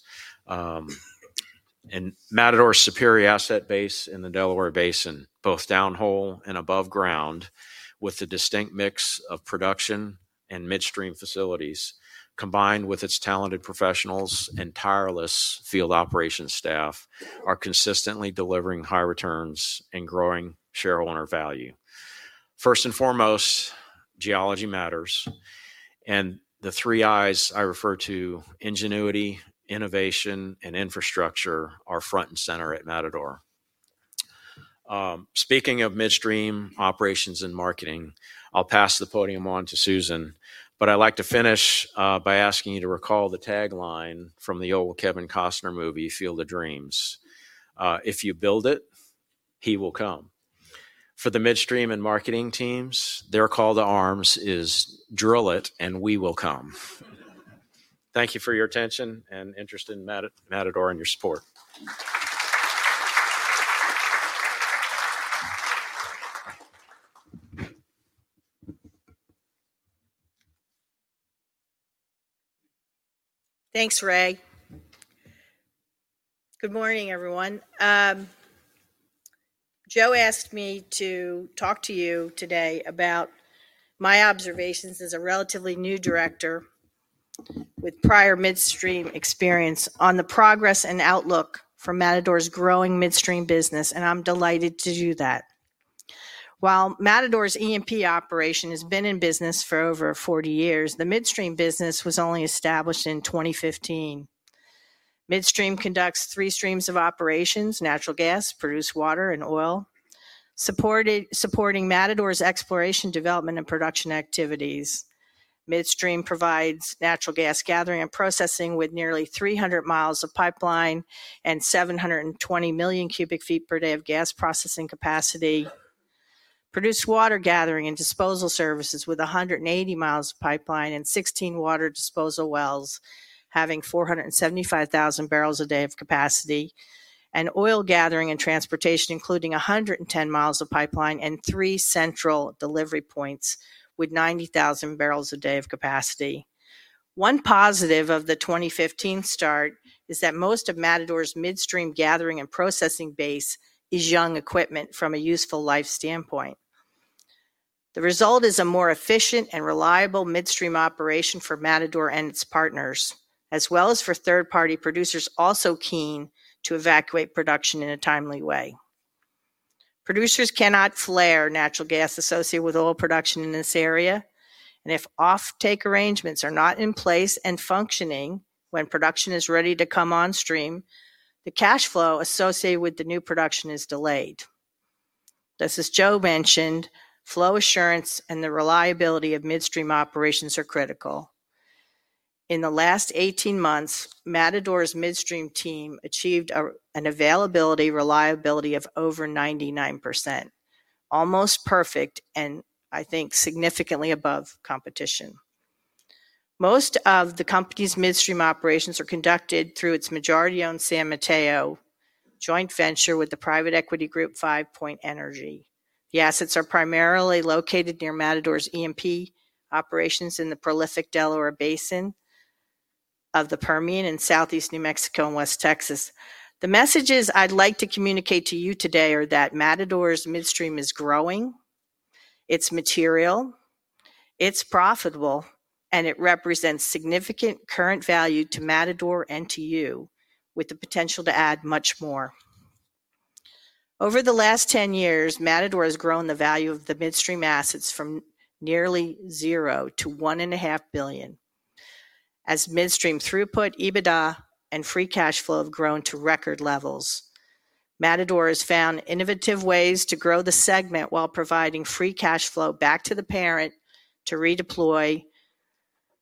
and Matador superior asset base in the Delaware Basin both downhole and above ground. With the distinct mix of production and midstream facilities combined with its talented professionals and tireless field operations staff, are consistently delivering high returns and growing shareholder value. First and foremost, geology matters and the three I's I refer to, ingenuity, innovation, and infrastructure, are front and center at Matador. Speaking of midstream operations and marketing, I'll pass the podium on to Susan, but I'd like to finish by asking you to recall the tagline from the old Kevin Costner movie Field of Dreams. If you build it, he will come. For the midstream and marketing teams, their call to arms is drill it and we will come. Thank you for your attention and interest in Matador and your support. Thanks, Ray. Good morning everyone. Joe asked me to talk to you today about my observations as a relatively new director with prior midstream experience on the progress and outlook for Matador's growing midstream business, and I'm delighted to do that. While Matador's E&P operation has been in business for over 40 years, the midstream business was only established in 2015. Midstream conducts three streams of operations: natural gas, produced water, and oil, supporting Matador's exploration, development, and production activities. Midstream provides natural gas gathering and processing with nearly 300 mi of pipeline and 720 million cubic feet per day of gas processing capacity, produced water gathering and disposal services with 180 mi of pipeline and 16 water disposal wells having 475,000 barrels a day of capacity, and oil gathering and transportation including 110 mi of pipeline and three central delivery points with 90,000 barrels a day of capacity. One positive of the 2015 start is that most of Matador's midstream gathering and processing base is young equipment from a useful life standpoint. The result is a more efficient and reliable midstream operation for Matador and its partners as well as for third party producers also keen to evacuate production in a timely way. Producers cannot flare natural gas associated with oil production in this area and if offtake arrangements are not in place and functioning when production is ready to come on stream, the cash flow associated with the new production is delayed. This, as Joe mentioned, flow assurance and the reliability of midstream operations are critical. In the last 18 months, Matador's midstream team achieved an availability reliability of over 99%, almost perfect and I think significantly above competition. Most of the company's midstream operations are conducted through its majority owned San Mateo joint venture with the private equity group Five Point Energy. The assets are primarily located near Matador's E&P operations in the prolific Delaware Basin of the Permian in southeast New Mexico and West Texas. The messages I'd like to communicate to you today are that Matador's midstream is growing. It's material, it's profitable, and it represents significant current value to Matador and to you with the potential to add much more. Over the last 10 years, Matador has grown the value of the midstream assets from nearly zero to $1.5 billion as midstream throughput, EBITDA and free cash flow have grown to record levels. Matador has found innovative ways to grow the segment while providing free cash flow back to the parent to redeploy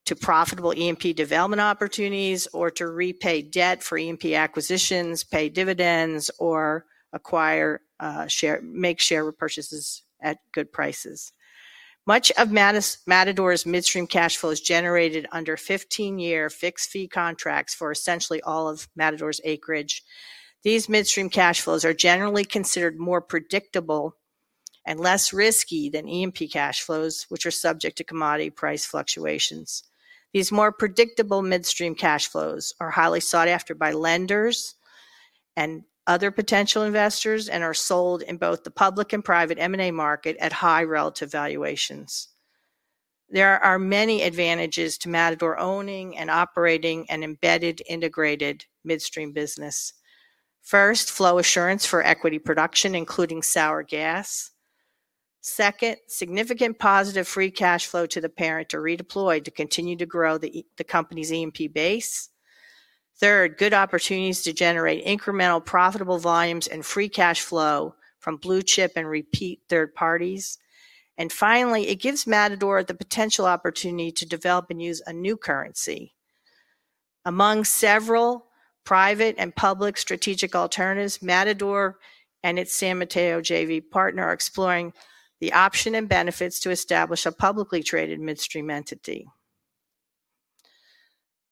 to profitable E&P development opportunities or to repay debt for E&P acquisitions, pay dividends or acquire share repurchases at good prices. Much of Matador's midstream cash flow is generated under 15-year fixed fee contracts for essentially all of Matador's acreage. These midstream cash flows are generally considered more predictable and less risky than E&P cash flows, which are subject to commodity price fluctuations. These more predictable midstream cash flows are highly sought after by lenders and other potential investors and are sold in both the public and private M&A market at high relative valuations. There are many advantages to Matador owning and operating an embedded integrated midstream business. First, flow assurance for equity production, including sour gas. Second, significant positive free cash flow to the parent to redeploy to continue to grow the company's E&P base. Third, good opportunities to generate incremental profitable volumes and free cash flow from blue chip and repeat third parties. Finally, it gives Matador the potential opportunity to develop and use a new currency. Among several private and public strategic alternatives, Matador and its San Mateo JV partner are exploring the option and benefits to establish a publicly traded midstream entity.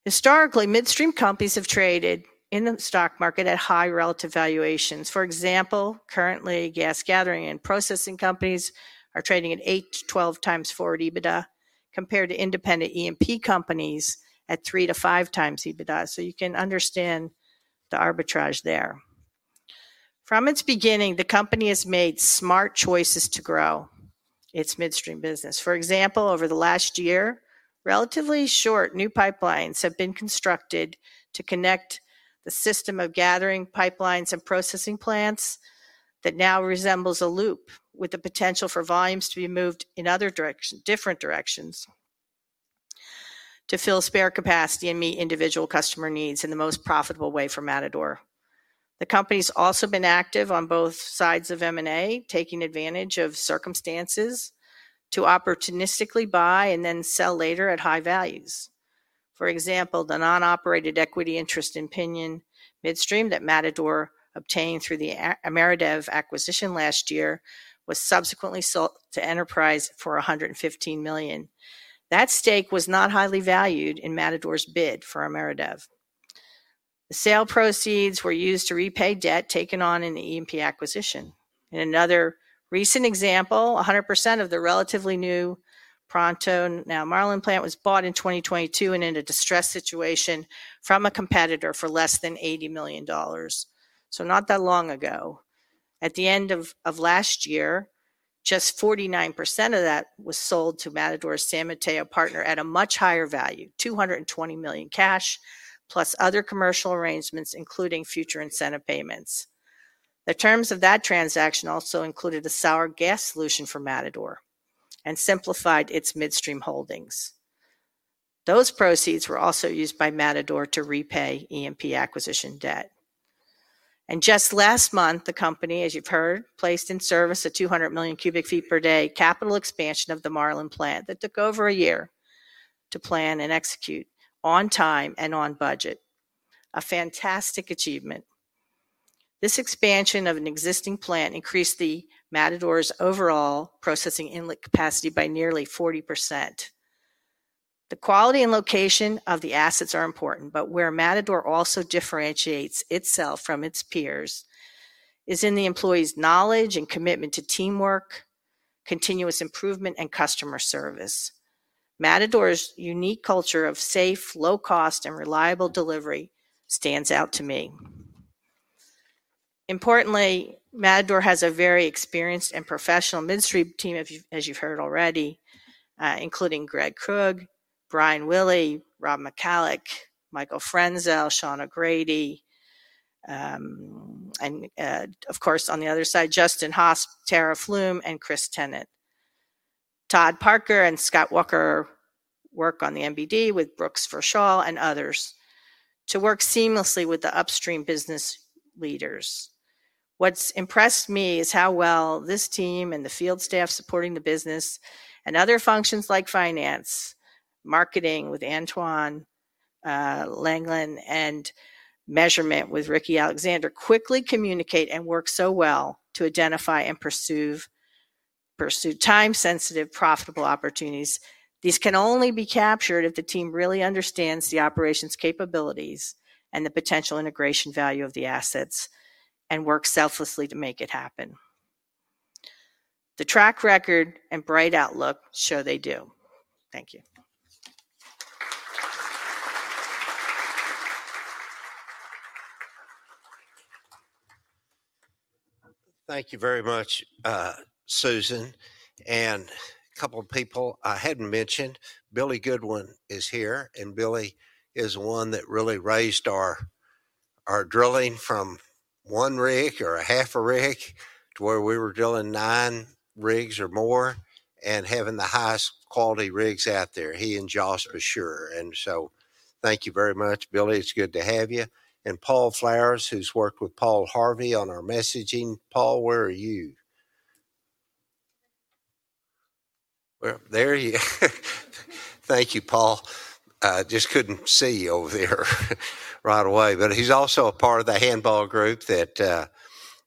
Historically, midstream companies have traded in the stock market at high relative valuations. For example, currently gas gathering and processing companies are trading at 8-12 times forward EBITDA compared to independent E&P companies at 3-5 times EBITDA. You can understand the arbitrage there. From its beginning, the company has made smart choices to grow its midstream business. For example, over the last year, relatively short new pipelines have been constructed to connect the system of gathering pipelines and processing plants that now resembles a loop with the potential for volumes to be moved in different directions to fill spare capacity and meet individual customer needs in the most profitable way for Matador. The company's also been active on both sides of M&A, taking advantage of circumstances to opportunistically buy and then sell later at high values. For example, the non-operated equity interest in Pinion Midstream that Matador obtained through the Ameredev acquisition last year was subsequently sold to Enterprise for $115 million. That stake was not highly valued in Matador's bid for Ameredev. The sale proceeds were used to repay debt taken on in the E&P acquisition. In another recent example, 100% of the relatively new Pronto Now Marlin plant was bought in 2022 in a distress situation from a competitor for less than $80 million. Not that long ago, at the end of last year, just 49% of that was sold to Matador's San Mateo partner at a much higher value, $220 million cash, + other commercial arrangements including future incentive payments. The terms of that transaction also included a sour gas solution for Matador and simplified its midstream holdings. Those proceeds were also used by Matador to repay EMP acquisition debt. Just last month the company, as you've heard, placed in service a 200 million cubic feet per day capital expansion of the Marlin plant that took over a year to plan and execute on time and on budget. A fantastic achievement. This expansion of an existing plant increased Matador's overall processing inlet capacity by nearly 40%. The quality and location of the assets are important, but where Matador also differentiates itself from its peers is in the employees' knowledge and commitment to teamwork, continuous improvement, and customer service. Matador's unique culture of safe, low cost, and reliable delivery stands out to me. Importantly, Matador has a very experienced and professional midstream team as you've heard already, including Greg Krug, Bryan Willey, Rob McCalloch, Michael Frenzel, Sean O'Grady, and of course on the other side, Justin Hosp, Tara Flume, Chris Tennant, Todd Parker, and Scott Walker work on the MBD with Brooks Verschall and others to work seamlessly with the upstream business leaders. What's impressed me is how well this team and the field staff supporting the business and other functions like finance, marketing with Antwan Langland, and measurement with Rick Alexander quickly communicate and work so well to identify and pursue time sensitive profitable opportunities. These can only be captured if the team really understands the operations capabilities and the potential integration value of the assets and work selflessly to make it happen. The track record and bright outlook show they do. Thank you. Thank you very much, Susan, and a couple people I hadn't mentioned. Billy Goodwin is here, and Billy is one that really raised our drilling from one rig or a half a rig to where we were drilling nine rigs or more and having the highest quality rigs out there. He and Josh for sure. Thank you very much, Billy. It's good to have you. And Paul Flowers, who's worked with Paul Harvey on our messaging. Paul, where are you? There you. Thank you. Paul, just couldn't see you over there right away. He's also a part of the handball group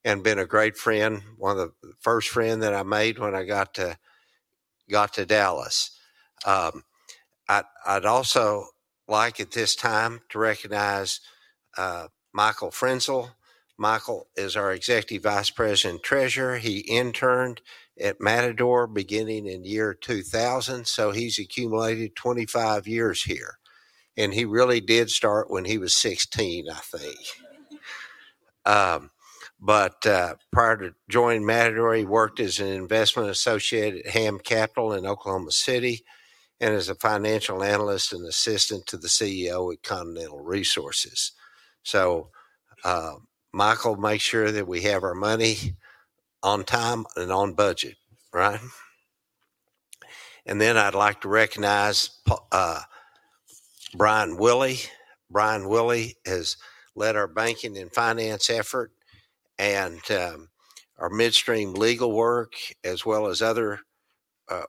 and been a great friend. One of the first friends that I made when I got to Dallas. I'd also like at this time to recognize Michael Frenzel. Michael is our Executive Vice President, Treasurer. He interned at Matador beginning in year 2000. So he's accumulated 25 years here. And he really did start when he was 16, I think. Prior to joining Matador, he worked as an investment associate at Ham Capital in Oklahoma City and as a financial analyst and assistant to the CEO at Continental Research Resources. Michael makes sure that we have our money on time and on budget. Right. I would like to recognize Bryan Willey. Bryan Willey has led our banking and finance effort and our midstream legal work as well as other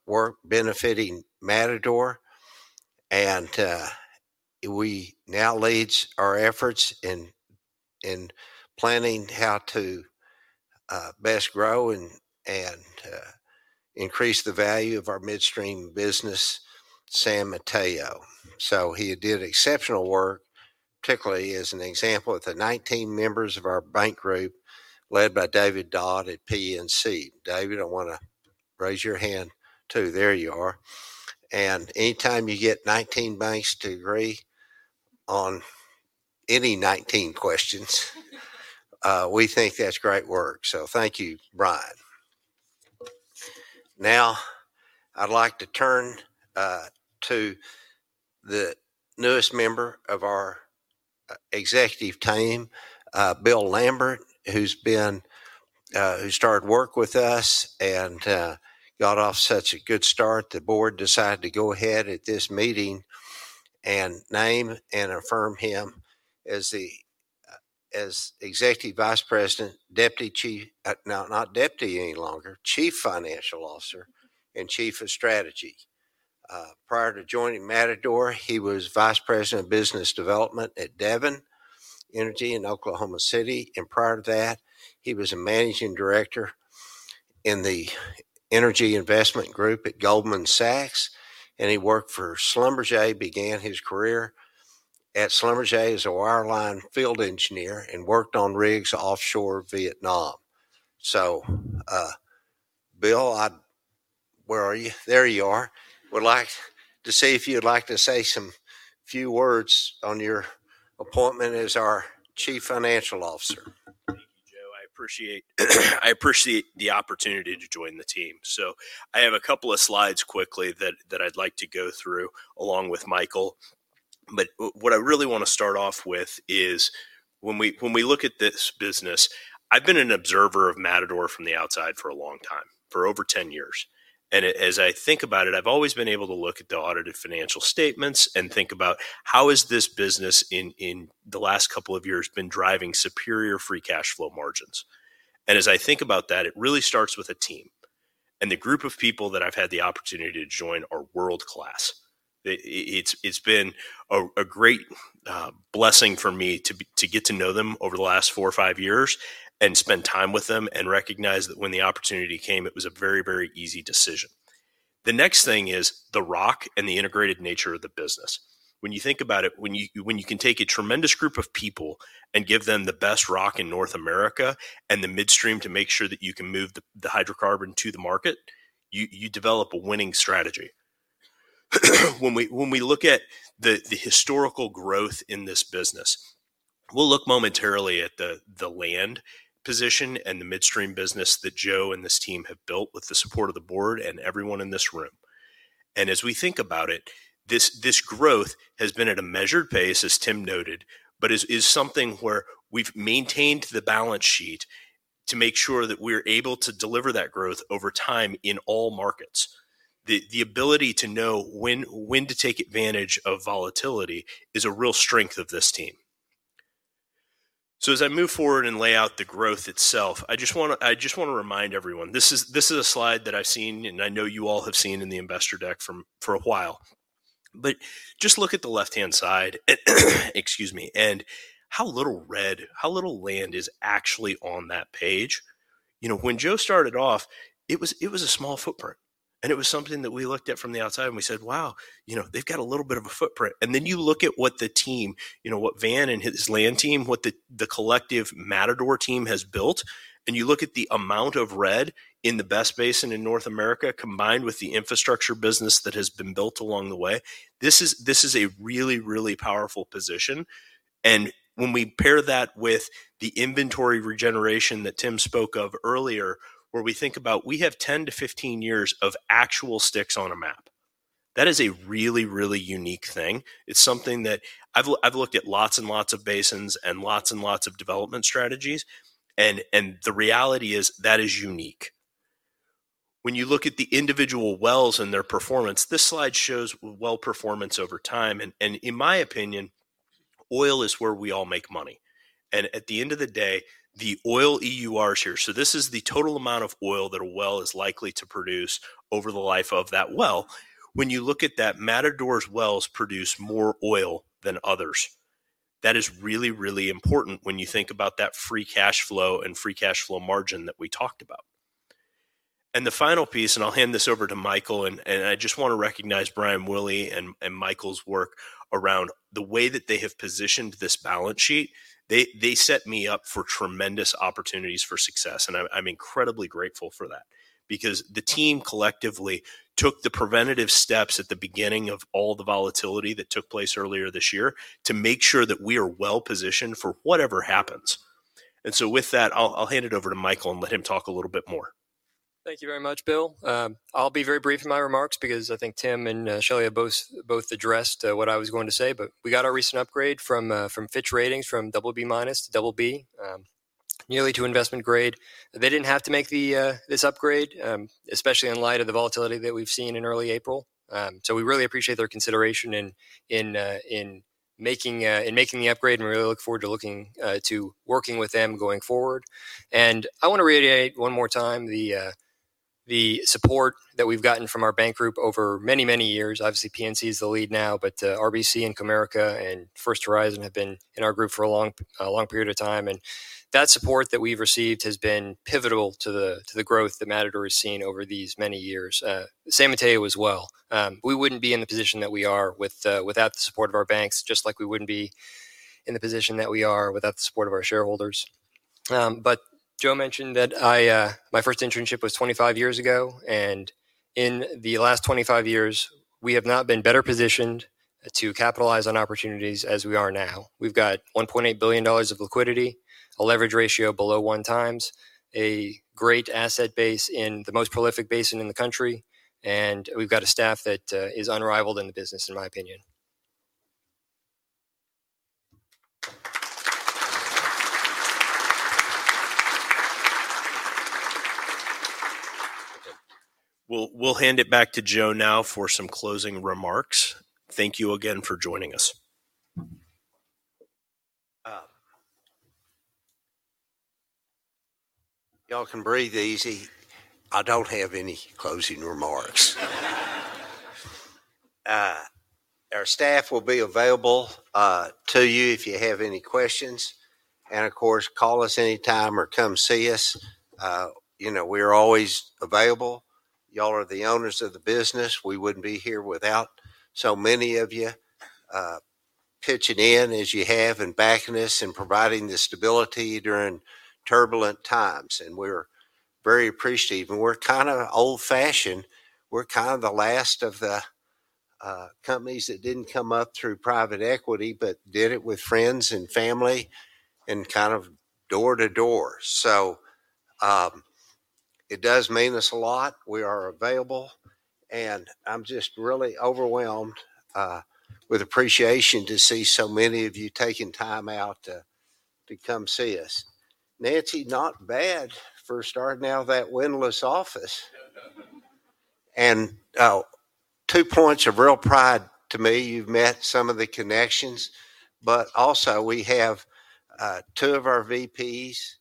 work benefiting Matador. He now leads our efforts in planning how to best grow and increase the value of our midstream business, San Mateo. He did exceptional work, particularly as an example of the 19 members of our bank group led by David Dodd at PNC. David, I want to raise your hand too. There you are. Anytime you get 19 banks to agree on any 19 questions, we think that's great work. Thank you, Bryan. Now I'd like to turn to the newest member of our executive team, Bill Lambert, who's been. Who started work with us and got off such a good start, the board decided to go ahead at this meeting and name and affirm him as the. As Executive Vice President, Chief Financial Officer and Chief of Strategy. Prior to joining Matador, he was Vice President of Business Development at Devon Energy in Oklahoma City. Prior to that he was a Managing Director in the Energy Investment Group at Goldman Sachs. He worked for Schlumberger. Began his career at Schlumberger as a wireline field engineer and worked on rigs offshore Vietnam. Bill, where are you? There you are. Would like to see if you'd like to say some few words on your appointment as our Chief Financial Officer. Thank you, Joe. I appreciate. I appreciate the opportunity to join the team. I have a couple of slides quickly that I'd like to go through along with Michael. What I really want to start off with is when we look at this business, I've been an observer of Matador from the outside for a long time, for over 10 years. As I think about it, I've always been able to look at the audited financial statements and think about how is this business in the last couple of years been driving superior free cash flow margins. As I think about that, it really starts with a team. The group of people that I've had the opportunity to join are world class. It's been a great blessing for me to get to know them over the last four or five years and spend time with them and recognize that when the opportunity came, it was a very, very easy decision. The next thing is the rock and the integrated nature of the business. When you think about it, when you can take a tremendous group of people and give them the best rock in North America and the midstream to make sure that you can move the hydrocarbon to the market, you develop a winning strategy. When we look at the historical growth in this business, we'll look momentarily at the land position and the midstream business that Joe and this team have built with the support of the board and everyone in this room. As we think about it, this growth has been at a measured pace, as Tim noted, but is something where we've maintained the balance sheet to make sure that we're able to deliver that growth over time in all markets. The ability to know when to take advantage of volatility is a real strength of this team. As I move forward and lay out the growth itself, I just want to remind everyone, this is a slide that I've seen and I know you all have seen in the investor deck for a while, but just look at the left hand side, excuse me. And how little red, how little land is actually on that page. You know, when Joe started off, it was a small footprint and it was something that we looked at from the outside and we said, wow, you know, they've got a little bit of a footprint. Then you look at what the team, you know, what Van and his land team, what the collective Matador team has built, and you look at the amount of red in the best basin in North America combined with the infrastructure business that has been built along the way, this is a really, really powerful position. When we pair that with the inventory regeneration that Tim spoke of earlier, where we think about we have 10-15 years of actual sticks on a map, that is a really, really unique thing. It's something that I've looked at, lots and lots of basins and lots and lots of development strategies, and the reality is that is unique when you look at the individual wells and their performance. This slide shows well performance over time. In my opinion, oil is where we all make money. At the end of the day, the oil eurs here. This is the total amount of oil that a well is likely to produce over the life of that well. When you look at that, Matador's wells produce more oil than others. That is really, really important when you think about that free cash flow and free cash flow margin that we talked about. The final piece, and I'll hand this over to Michael, and I just want to recognize Bryan Willey and Michael's work around the way that they have positioned this balance sheet. They set me up for tremendous opportunities for success, and I'm incredibly grateful for that because the team collectively took the preventative steps at the beginning of all the volatility that took place earlier this year to make sure that we are well positioned for whatever happens. With that, I'll hand it over to Michael and let him talk a little bit more. Thank you very much, Bill. I'll be very brief in my remarks because I think Tim and Shelley have both addressed what I was going. To say, we got our recent upgrade from Fitch Ratings from BB. Minus to Double B nearly to investment grade. They did not have to make this upgrade, especially in light of the volatility that we have seen in early April. We really appreciate their consideration in making the upgrade and really look forward to working with them going forward. I want to reiterate one more time the support that we have gotten from our bank group over many, many years. Obviously PNC is the lead now, but RBC and Comerica and First Horizon have been in our group for a long period of time and that support that we have received has been pivotal to the growth that Matador has seen over these many years. San Mateo as well. We would not be in the position that we are without the support of our banks, just like we would not be. In the position that we are without. The support of our shareholders. Joe mentioned that my first internship. Was 25 years ago and in the last 25 years we have not been better positioned to capitalize on opportunities as we are now. We've got $1.8 billion of liquidity, a leverage ratio below one. Times a great asset base in the most prolific basin in the country. We have a staff that is. Unrivaled in the business, in my opinion. We'll hand it back to Joe now for some closing remarks. Thank you again for joining us. Y'all can breathe easy. I don't have any closing remarks. Our staff will be available to you if you have any questions and of course, call us anytime or come see us. You know, we are always available. Y'all are the owners of the business. We wouldn't be here without so many of you pitching in as you have and backing us and providing the stability during turbulent times. We're very appreciative and we're kind of old fashioned. We're kind of the last of the companies that didn't come up through private equity, but did it with friends and family and kind of door to door. It does mean us a lot. We are available and I'm just really overwhelmed with appreciation to see so many of you taking time out to come see us. Nancy, not bad for starting out that windless office. Two points of real pride to me. You've met some of the connections, but also we have two of our VPs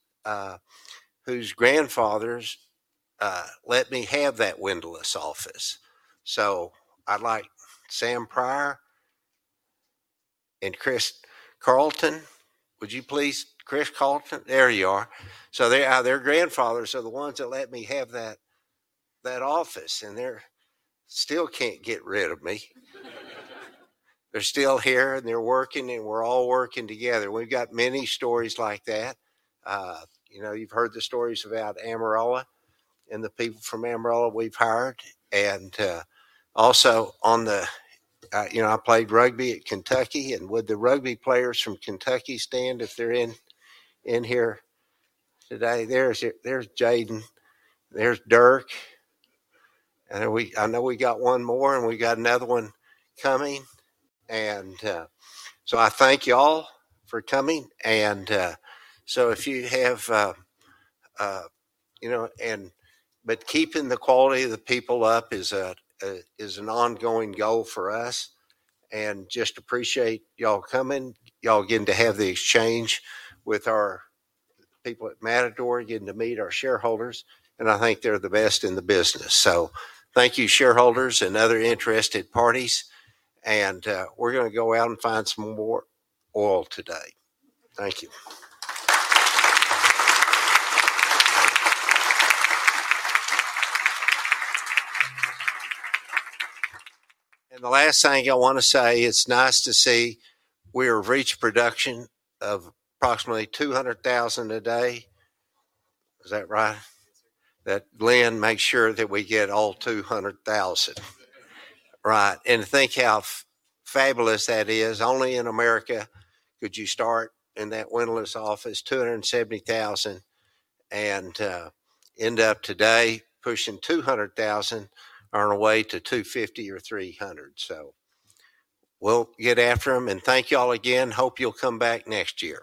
whose grandfathers let me have that windowless office. I'd like Sam Pryor and Chris Carlton, would you please? Chris Carlton, there you are. Their grandfathers are the ones that let me have that office and they're still, can't get rid of me. They're still here and they're working and we're all working together. We've got many stories like that. You know, you've heard the stories about Amarillo and the people from Amarillo we've hired. Also, I played rugby at Kentucky and would the rugby players from Kentucky stand if they're in here today? There's Jaden, there's Dirk and I know we got one more and we got another one coming. I thank y'all for coming. If you have, you know, keeping the quality of the people up is an ongoing goal for us. I just appreciate y'all coming, y'all getting to have the exchange with our people at Matador, getting to meet our shareholders, and I think they're the best in the business. Thank you shareholders and other interested parties, and we're going to go out and find some more oil today. Thank you. The last thing I want to say, it's nice to see we have reached production of approximately 200,000 a day. Is that right? That Glenn makes sure that we get all 200,000. Right. Think how fabulous that is. Only in America could you start in that windowless office $270,000 and end up today pushing $200,000, on our way to $250,000 or $300,000. We'll get after them. Thank you all again. Hope you'll come back next year.